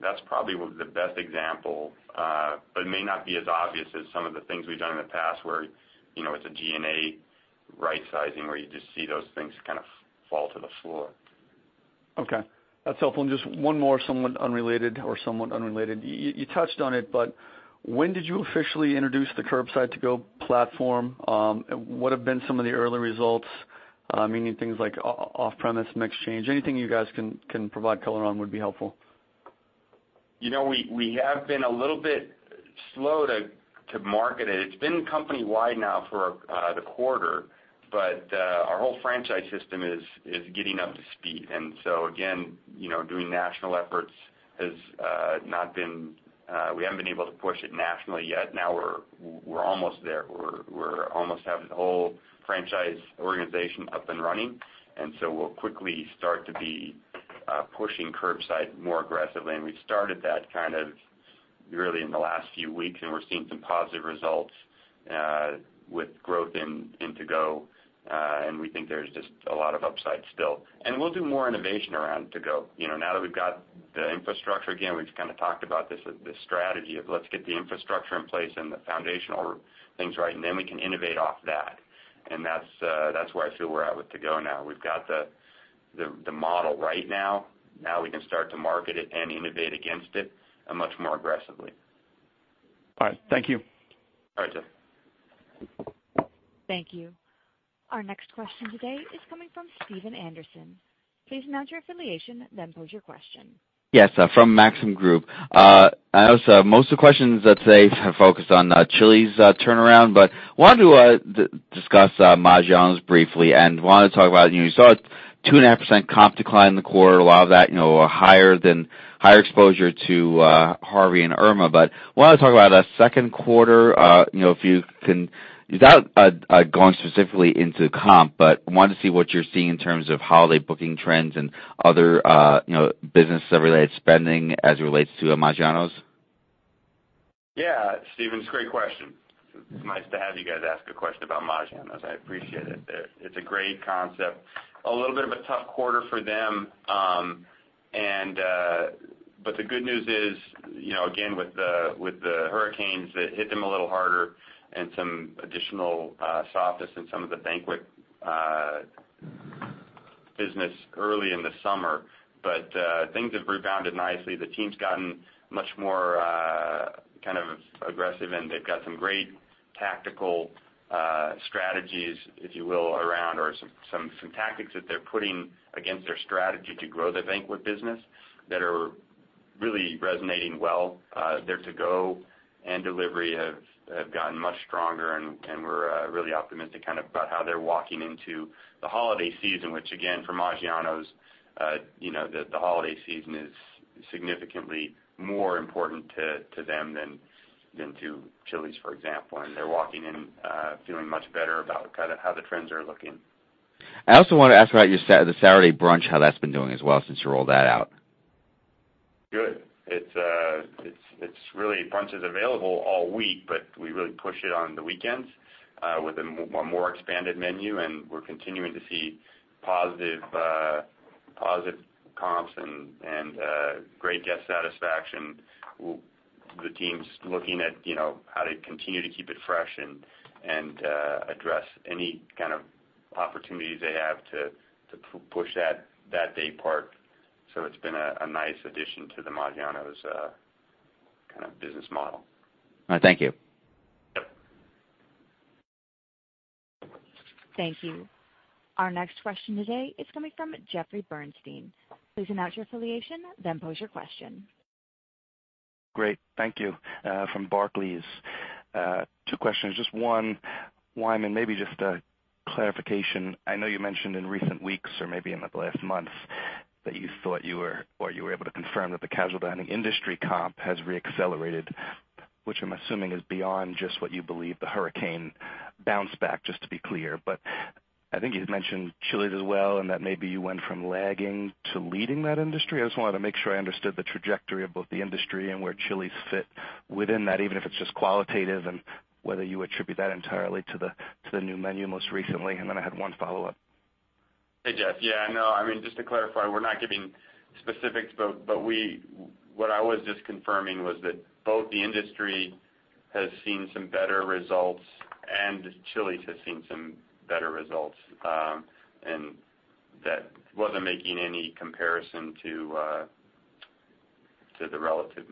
That's probably the best example. It may not be as obvious as some of the things we've done in the past where it's a G&A right sizing where you just see those things kind of fall to the floor. Okay. That's helpful. Just one more somewhat unrelated. You touched on it, but when did you officially introduce the curbside to-go platform? What have been some of the early results? Meaning things like off-premise mix change. Anything you guys can provide color on would be helpful. We have been a little bit slow to market it. It's been company-wide now for the quarter, but our whole franchise system is getting up to speed. Again, doing national efforts, we haven't been able to push it nationally yet. Now we're almost there. We almost have the whole franchise organization up and running, we'll quickly start to be pushing curbside more aggressively. We've started that kind of really in the last few weeks, and we're seeing some positive results with growth in to-go, and we think there's just a lot of upside still. We'll do more innovation around to-go. Now that we've got the infrastructure, again, we've kind of talked about this strategy of let's get the infrastructure in place and the foundational things right, we can innovate off that. That's where I feel we're at with to-go now. We've got the model right now. Now we can start to market it and innovate against it much more aggressively. All right. Thank you. All right, Jeff. Thank you. Our next question today is coming from Steven Anderson. Please announce your affiliation, then pose your question. Yes, from Maxim Group. I notice most of the questions today have focused on Chili's turnaround, wanted to discuss Maggiano's briefly. Want to talk about, you saw a 2.5% comp decline in the quarter, a lot of that higher exposure to Hurricane Harvey and Hurricane Irma. Want to talk about that second quarter, if you can, without going specifically into comp, wanted to see what you're seeing in terms of holiday booking trends and other business-related spending as it relates to Maggiano's. Yeah. Steven, it's a great question. It's nice to have you guys ask a question about Maggiano's. I appreciate it. It's a great concept. A little bit of a tough quarter for them. The good news is, again, with the hurricanes that hit them a little harder and some additional softness in some of the banquet business early in the summer. Things have rebounded nicely. The team's gotten much more kind of aggressive, and they've got some great tactical strategies, if you will, around or some tactics that they're putting against their strategy to grow the banquet business that are really resonating well. Their to-go and delivery have gotten much stronger, and we're really optimistic kind of about how they're walking into the holiday season, which again, for Maggiano's the holiday season is significantly more important to them than to Chili's, for example. They're walking in feeling much better about kind of how the trends are looking. I also want to ask about the Saturday brunch, how that's been doing as well since you rolled that out. Good. Brunch is available all week, but we really push it on the weekends with a more expanded menu, and we're continuing to see positive comps and great guest satisfaction. The team's looking at how to continue to keep it fresh and address any kind of opportunities they have to push that day part. It's been a nice addition to the Maggiano's business model. All right, thank you. Yep. Thank you. Our next question today is coming from Jeffrey Bernstein. Please announce your affiliation, then pose your question. Great. Thank you. From Barclays. Two questions. Just one, Wyman, maybe just a clarification. I know you mentioned in recent weeks, or maybe in the last month, that you thought you were, or you were able to confirm that the casual dining industry comp has re-accelerated, which I'm assuming is beyond just what you believe the hurricane bounce back, just to be clear. I think you'd mentioned Chili's as well, and that maybe you went from lagging to leading that industry. I just wanted to make sure I understood the trajectory of both the industry and where Chili's fit within that, even if it's just qualitative and whether you attribute that entirely to the new menu most recently. I had one follow-up. Hey, Jeff. Yeah, no, just to clarify, we're not giving specifics, but what I was just confirming was that both the industry has seen some better results, and Chili's has seen some better results. That wasn't making any comparison to the relative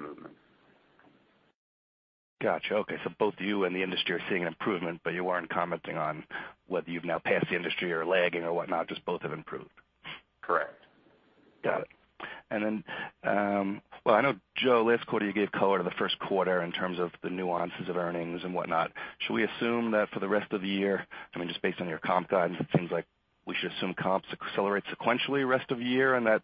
movement. Got you. Okay. Both you and the industry are seeing an improvement, but you weren't commenting on whether you've now passed the industry or are lagging or whatnot, just both have improved. Correct. Got it. Well, I know, Joe, last quarter you gave color to the first quarter in terms of the nuances of earnings and whatnot. Should we assume that for the rest of the year, just based on your comp guide, it seems like we should assume comps accelerate sequentially rest of year and that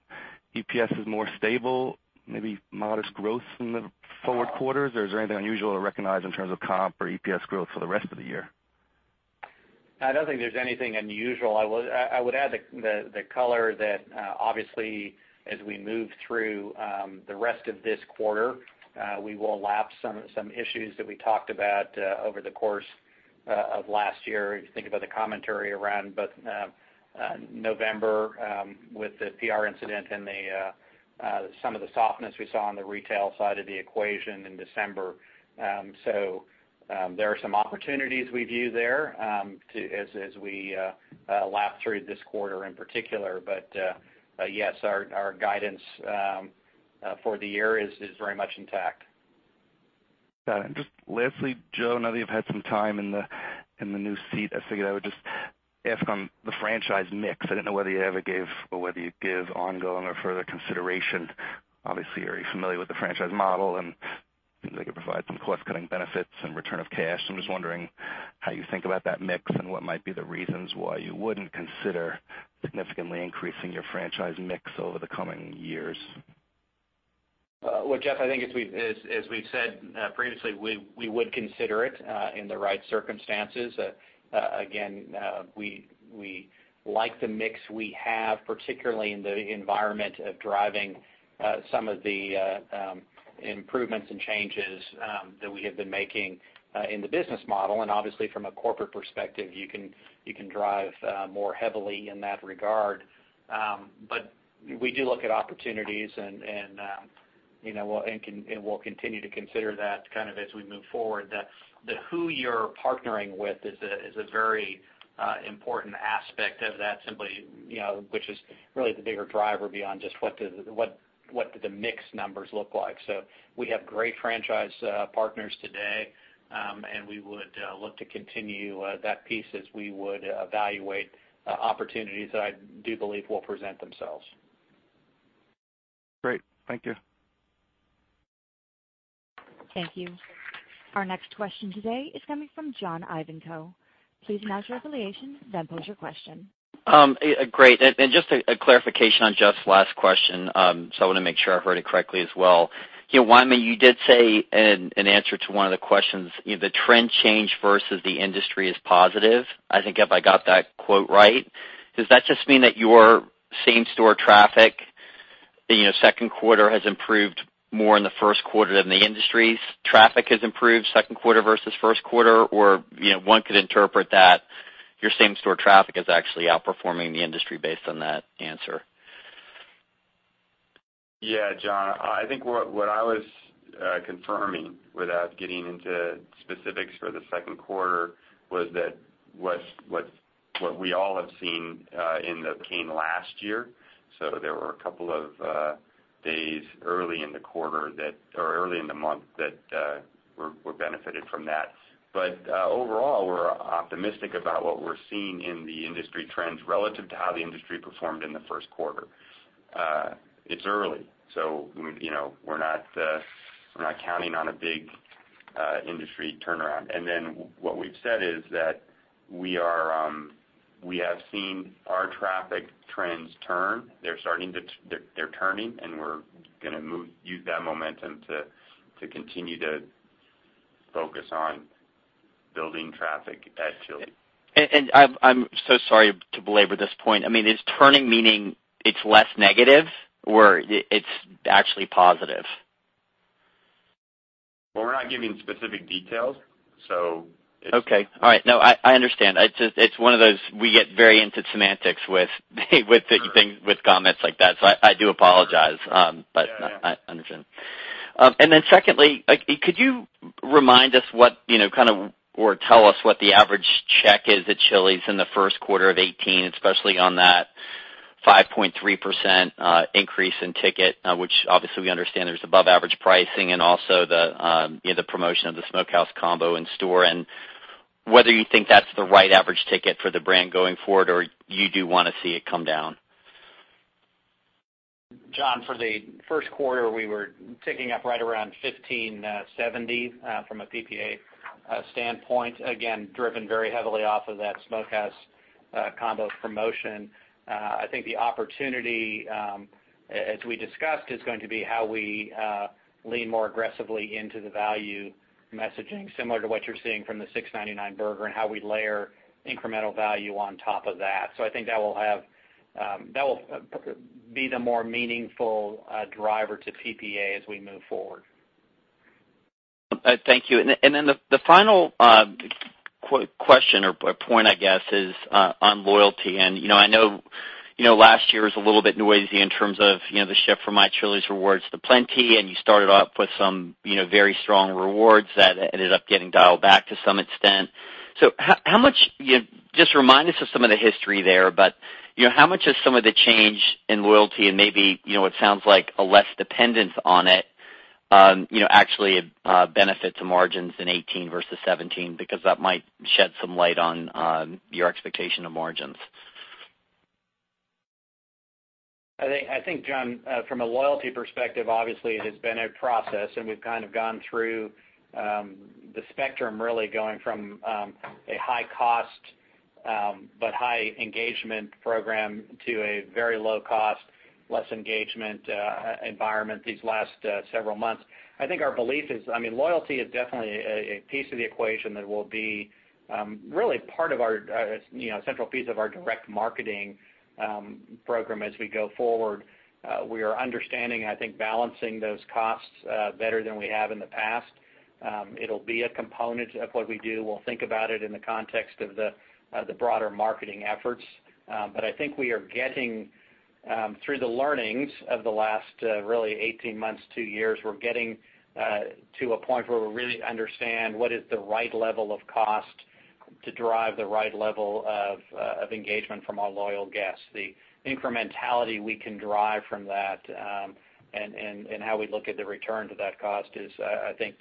EPS is more stable, maybe modest growth in the forward quarters? Or is there anything unusual to recognize in terms of comp or EPS growth for the rest of the year? I don't think there's anything unusual. I would add the color that, obviously, as we move through the rest of this quarter, we will lap some issues that we talked about over the course of last year. If you think about the commentary around both November, with the PR incident, and some of the softness we saw on the retail side of the equation in December. There are some opportunities we view there, as we lap through this quarter in particular. Yes, our guidance for the year is very much intact. Got it. Just lastly, Joe, I know that you've had some time in the new seat. I figured I would just ask on the franchise mix. I didn't know whether you ever gave or whether you give ongoing or further consideration. Obviously, you're already familiar with the franchise model, and it seems like it provides some cost-cutting benefits and return of cash. I'm just wondering how you think about that mix and what might be the reasons why you wouldn't consider significantly increasing your franchise mix over the coming years. Well, Jeff, I think as we've said previously, we would consider it in the right circumstances. Again, we like the mix we have, particularly in the environment of driving some of the improvements and changes that we have been making in the business model. Obviously from a corporate perspective, you can drive more heavily in that regard. We do look at opportunities, and we'll continue to consider that as we move forward. The who you're partnering with is a very important aspect of that simply, which is really the bigger driver beyond just what do the mix numbers look like. We have great franchise partners today. We would look to continue that piece as we would evaluate opportunities that I do believe will present themselves. Great. Thank you. Thank you. Our next question today is coming from John Ivankoe. Please announce your affiliation, then pose your question. Great. Just a clarification on Jeff's last question, so I want to make sure I've heard it correctly as well. Wyman, you did say in answer to one of the questions, "The trend change versus the industry is positive." I think, if I got that quote right. Does that just mean that your same-store traffic second quarter has improved more in the first quarter than the industry's traffic has improved second quarter versus first quarter? One could interpret that your same-store traffic is actually outperforming the industry based on that answer. Yeah, John, I think what I was confirming without getting into specifics for the second quarter was that what we all have seen in the chain last year, so there were a couple of days early in the month that were benefited from that. Overall, we're optimistic about what we're seeing in the industry trends relative to how the industry performed in the first quarter. It's early, so we're not counting on a big industry turnaround. Then what we've said is that we have seen our traffic trends turn. They're turning, and we're going to use that momentum to continue to focus on building traffic at Chili's. I'm so sorry to belabor this point. Is turning meaning it's less negative or it's actually positive? We're not giving specific details. Okay. All right. I understand. It's one of those, we get very into semantics with comments like that, I do apologize. Yeah. I understand. Secondly, could you remind us or tell us what the average check is at Chili's in the first quarter of 2018, especially on that 5.3% increase in ticket, which obviously we understand there's above average pricing and also the promotion of the Smokehouse combo in store, and whether you think that's the right average ticket for the brand going forward, or you do want to see it come down? John, for the first quarter, we were ticking up right around $15.70 from a PPA standpoint, again, driven very heavily off of that Smokehouse Combos promotion. I think the opportunity, as we discussed, is going to be how we lean more aggressively into the value messaging, similar to what you're seeing from the $6.99 burger, and how we layer incremental value on top of that. I think that will be the more meaningful driver to PPA as we move forward. Thank you. The final question or point, I guess, is on loyalty. I know last year was a little bit noisy in terms of the shift from My Chili's Rewards to Plenti, and you started off with some very strong rewards that ended up getting dialed back to some extent. Just remind us of some of the history there, but how much is some of the change in loyalty and maybe, it sounds like a less dependence on it, actually a benefit to margins in 2018 versus 2017? Because that might shed some light on your expectation of margins. I think, John, from a loyalty perspective, obviously it has been a process, and we've kind of gone through the spectrum, really, going from a high cost but high engagement program to a very low cost, less engagement environment these last several months. I think our belief is, loyalty is definitely a piece of the equation that will be really a central piece of our direct marketing program as we go forward. We are understanding and I think balancing those costs better than we have in the past. It'll be a component of what we do. We'll think about it in the context of the broader marketing efforts. But I think through the learnings of the last, really 18 months, 2 years, we're getting to a point where we really understand what is the right level of cost to drive the right level of engagement from our loyal guests. The incrementality we can derive from that, and how we look at the return to that cost is, I think,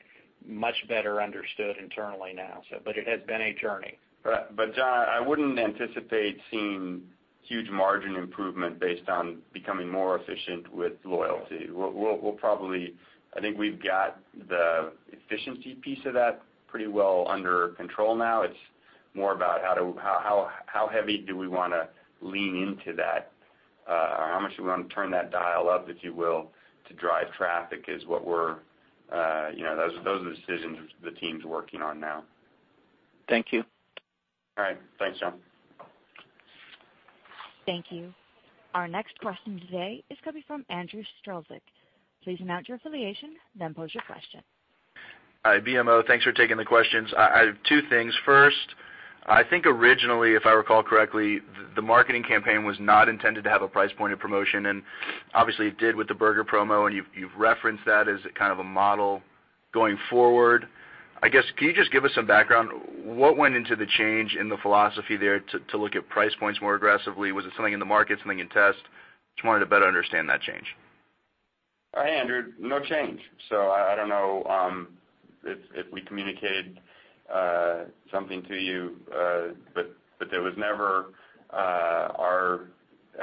much better understood internally now. It has been a journey. John, I wouldn't anticipate seeing huge margin improvement based on becoming more efficient with loyalty. I think we've got the efficiency piece of that pretty well under control now. It's more about how heavy do we want to lean into that? Or how much do we want to turn that dial up, if you will, to drive traffic. Those are the decisions the team's working on now. Thank you. All right. Thanks, John. Thank you. Our next question today is coming from Andrew Strelzik. Please announce your affiliation, then pose your question. Hi, BMO. Thanks for taking the questions. I have two things. First, I think originally, if I recall correctly, the marketing campaign was not intended to have a price point of promotion. Obviously, it did with the burger promo. You've referenced that as a kind of a model going forward. I guess, can you just give us some background? What went into the change in the philosophy there to look at price points more aggressively? Was it something in the market, something in test? Just wanted to better understand that change. Hey, Andrew. No change. I don't know if we communicated something to you, but there was never our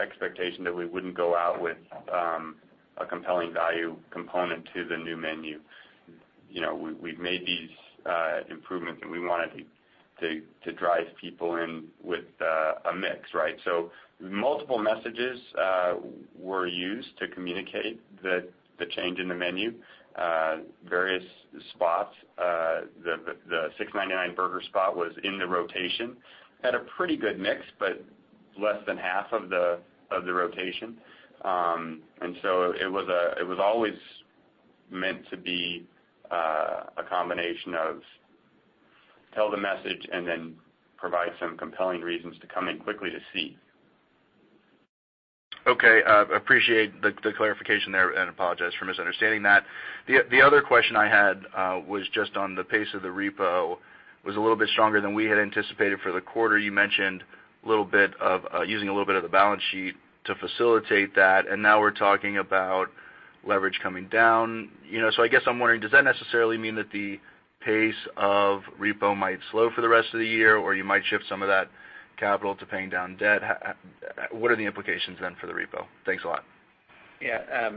expectation that we wouldn't go out with a compelling value component to the new menu. We've made these improvements. We wanted to drive people in with a mix, right? Multiple messages were used to communicate the change in the menu. Various spots. The $6.99 burger spot was in the rotation. Less than half of the rotation. It was always meant to be a combination of tell the message and then provide some compelling reasons to come in quickly to see. Okay. Appreciate the clarification there. Apologize for misunderstanding that. The other question I had was just on the pace of the repo was a little bit stronger than we had anticipated for the quarter. You mentioned using a little bit of the balance sheet to facilitate that. Now we're talking about leverage coming down. I guess I'm wondering, does that necessarily mean that the pace of repo might slow for the rest of the year, or you might shift some of that capital to paying down debt? What are the implications for the repo? Thanks a lot. Yeah.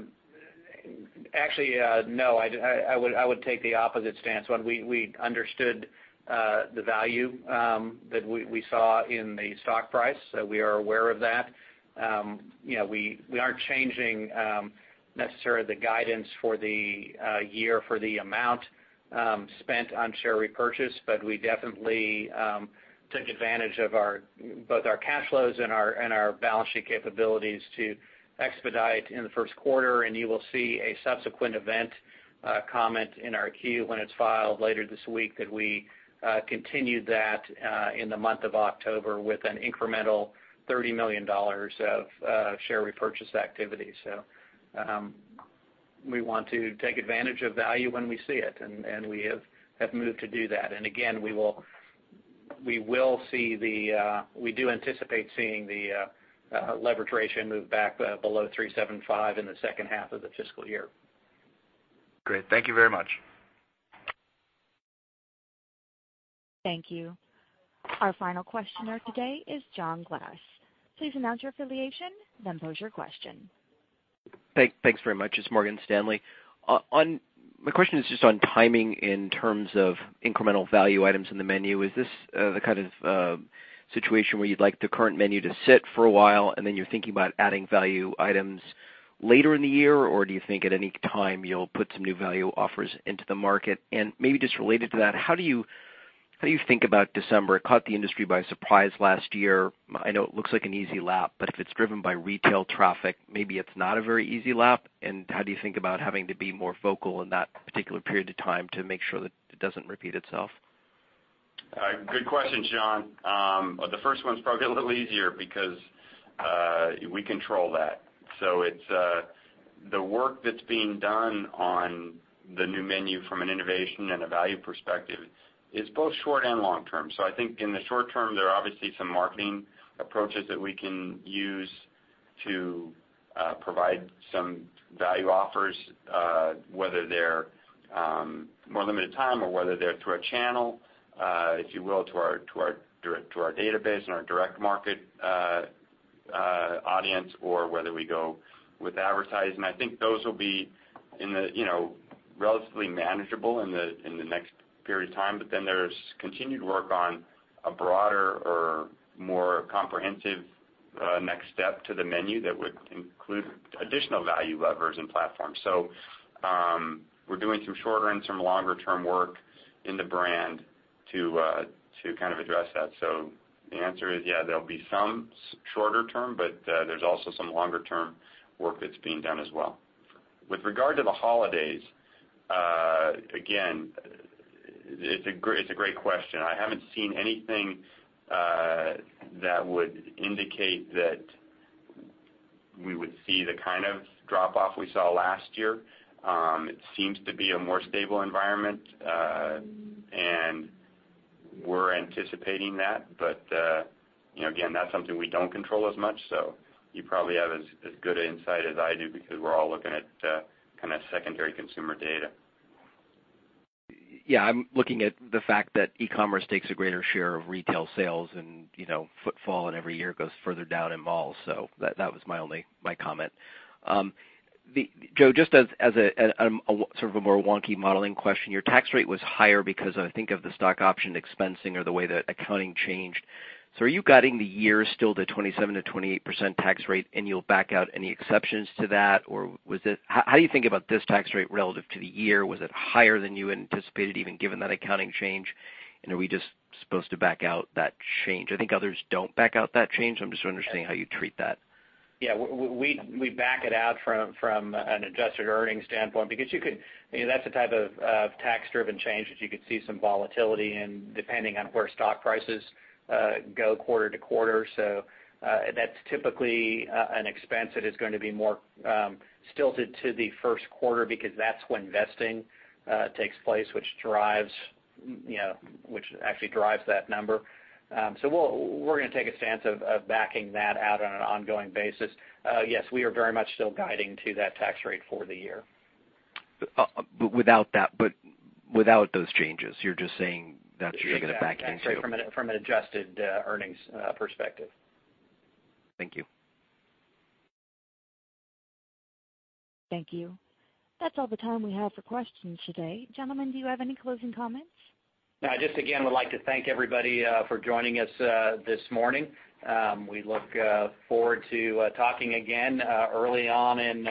Actually, no, I would take the opposite stance. One, we understood the value that we saw in the stock price. We are aware of that. We aren't changing necessarily the guidance for the year for the amount spent on share repurchase. We definitely took advantage of both our cash flows and our balance sheet capabilities to expedite in the first quarter. You will see a subsequent event comment in our Q when it's filed later this week that we continued that in the month of October with an incremental $30 million of share repurchase activity. We want to take advantage of value when we see it. We have moved to do that. Again, we do anticipate seeing the leverage ratio move back below 375 in the second half of the fiscal year. Great. Thank you very much. Thank you. Our final questioner today is John Glass. Please announce your affiliation, then pose your question. Thanks very much. It's Morgan Stanley. My question is just on timing in terms of incremental value items in the menu. Is this the kind of situation where you'd like the current menu to sit for a while, then you're thinking about adding value items later in the year? Or do you think at any time you'll put some new value offers into the market? Maybe just related to that, how do you think about December? It caught the industry by surprise last year. I know it looks like an easy lap, but if it's driven by retail traffic, maybe it's not a very easy lap. How do you think about having to be more vocal in that particular period of time to make sure that it doesn't repeat itself? Good question, John. The first one's probably a little easier because we control that. The work that's being done on the new menu from an innovation and a value perspective is both short and long-term. I think in the short term, there are obviously some marketing approaches that we can use to provide some value offers whether they're more limited time or whether they're through a channel if you will, to our database and our direct market audience or whether we go with advertising. I think those will be relatively manageable in the next period of time. There's continued work on a broader or more comprehensive next step to the menu that would include additional value levers and platforms. We're doing some shorter and some longer-term work in the brand to address that. Yeah, the answer is, there'll be some shorter term, but there's also some longer-term work that's being done as well. With regard to the holidays, again, it's a great question. I haven't seen anything that would indicate that we would see the kind of drop off we saw last year. It seems to be a more stable environment and we're anticipating that. Again, that's something we don't control as much. You probably have as good insight as I do because we're all looking at secondary consumer data. Yeah, I'm looking at the fact that e-commerce takes a greater share of retail sales and footfall and every year it goes further down in malls. That was my comment. Joe, just as a more wonky modeling question, your tax rate was higher because I think of the stock option expensing or the way that accounting changed. Are you guiding the year still to 27%-28% tax rate, and you'll back out any exceptions to that? How do you think about this tax rate relative to the year? Was it higher than you anticipated, even given that accounting change? Are we just supposed to back out that change? I think others don't back out that change, so I'm just understanding how you treat that. Yeah, we back it out from an adjusted earnings standpoint because that's the type of tax-driven change that you could see some volatility in depending on where stock prices go quarter-to-quarter. That's typically an expense that is going to be more stilted to the first quarter because that's when vesting takes place, which actually drives that number. We're going to take a stance of backing that out on an ongoing basis. Yes, we are very much still guiding to that tax rate for the year. Without those changes, you're just saying that you're going to back into. Exactly. From an adjusted earnings perspective. Thank you. Thank you. That's all the time we have for questions today. Gentlemen, do you have any closing comments? I just, again, would like to thank everybody for joining us this morning. We look forward to talking again early on in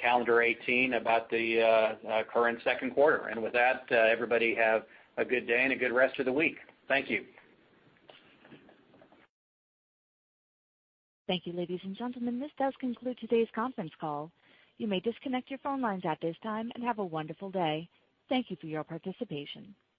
calendar 2018 about the current second quarter. With that everybody have a good day and a good rest of the week. Thank you. Thank you, ladies and gentlemen. This does conclude today's conference call. You may disconnect your phone lines at this time and have a wonderful day. Thank you for your participation.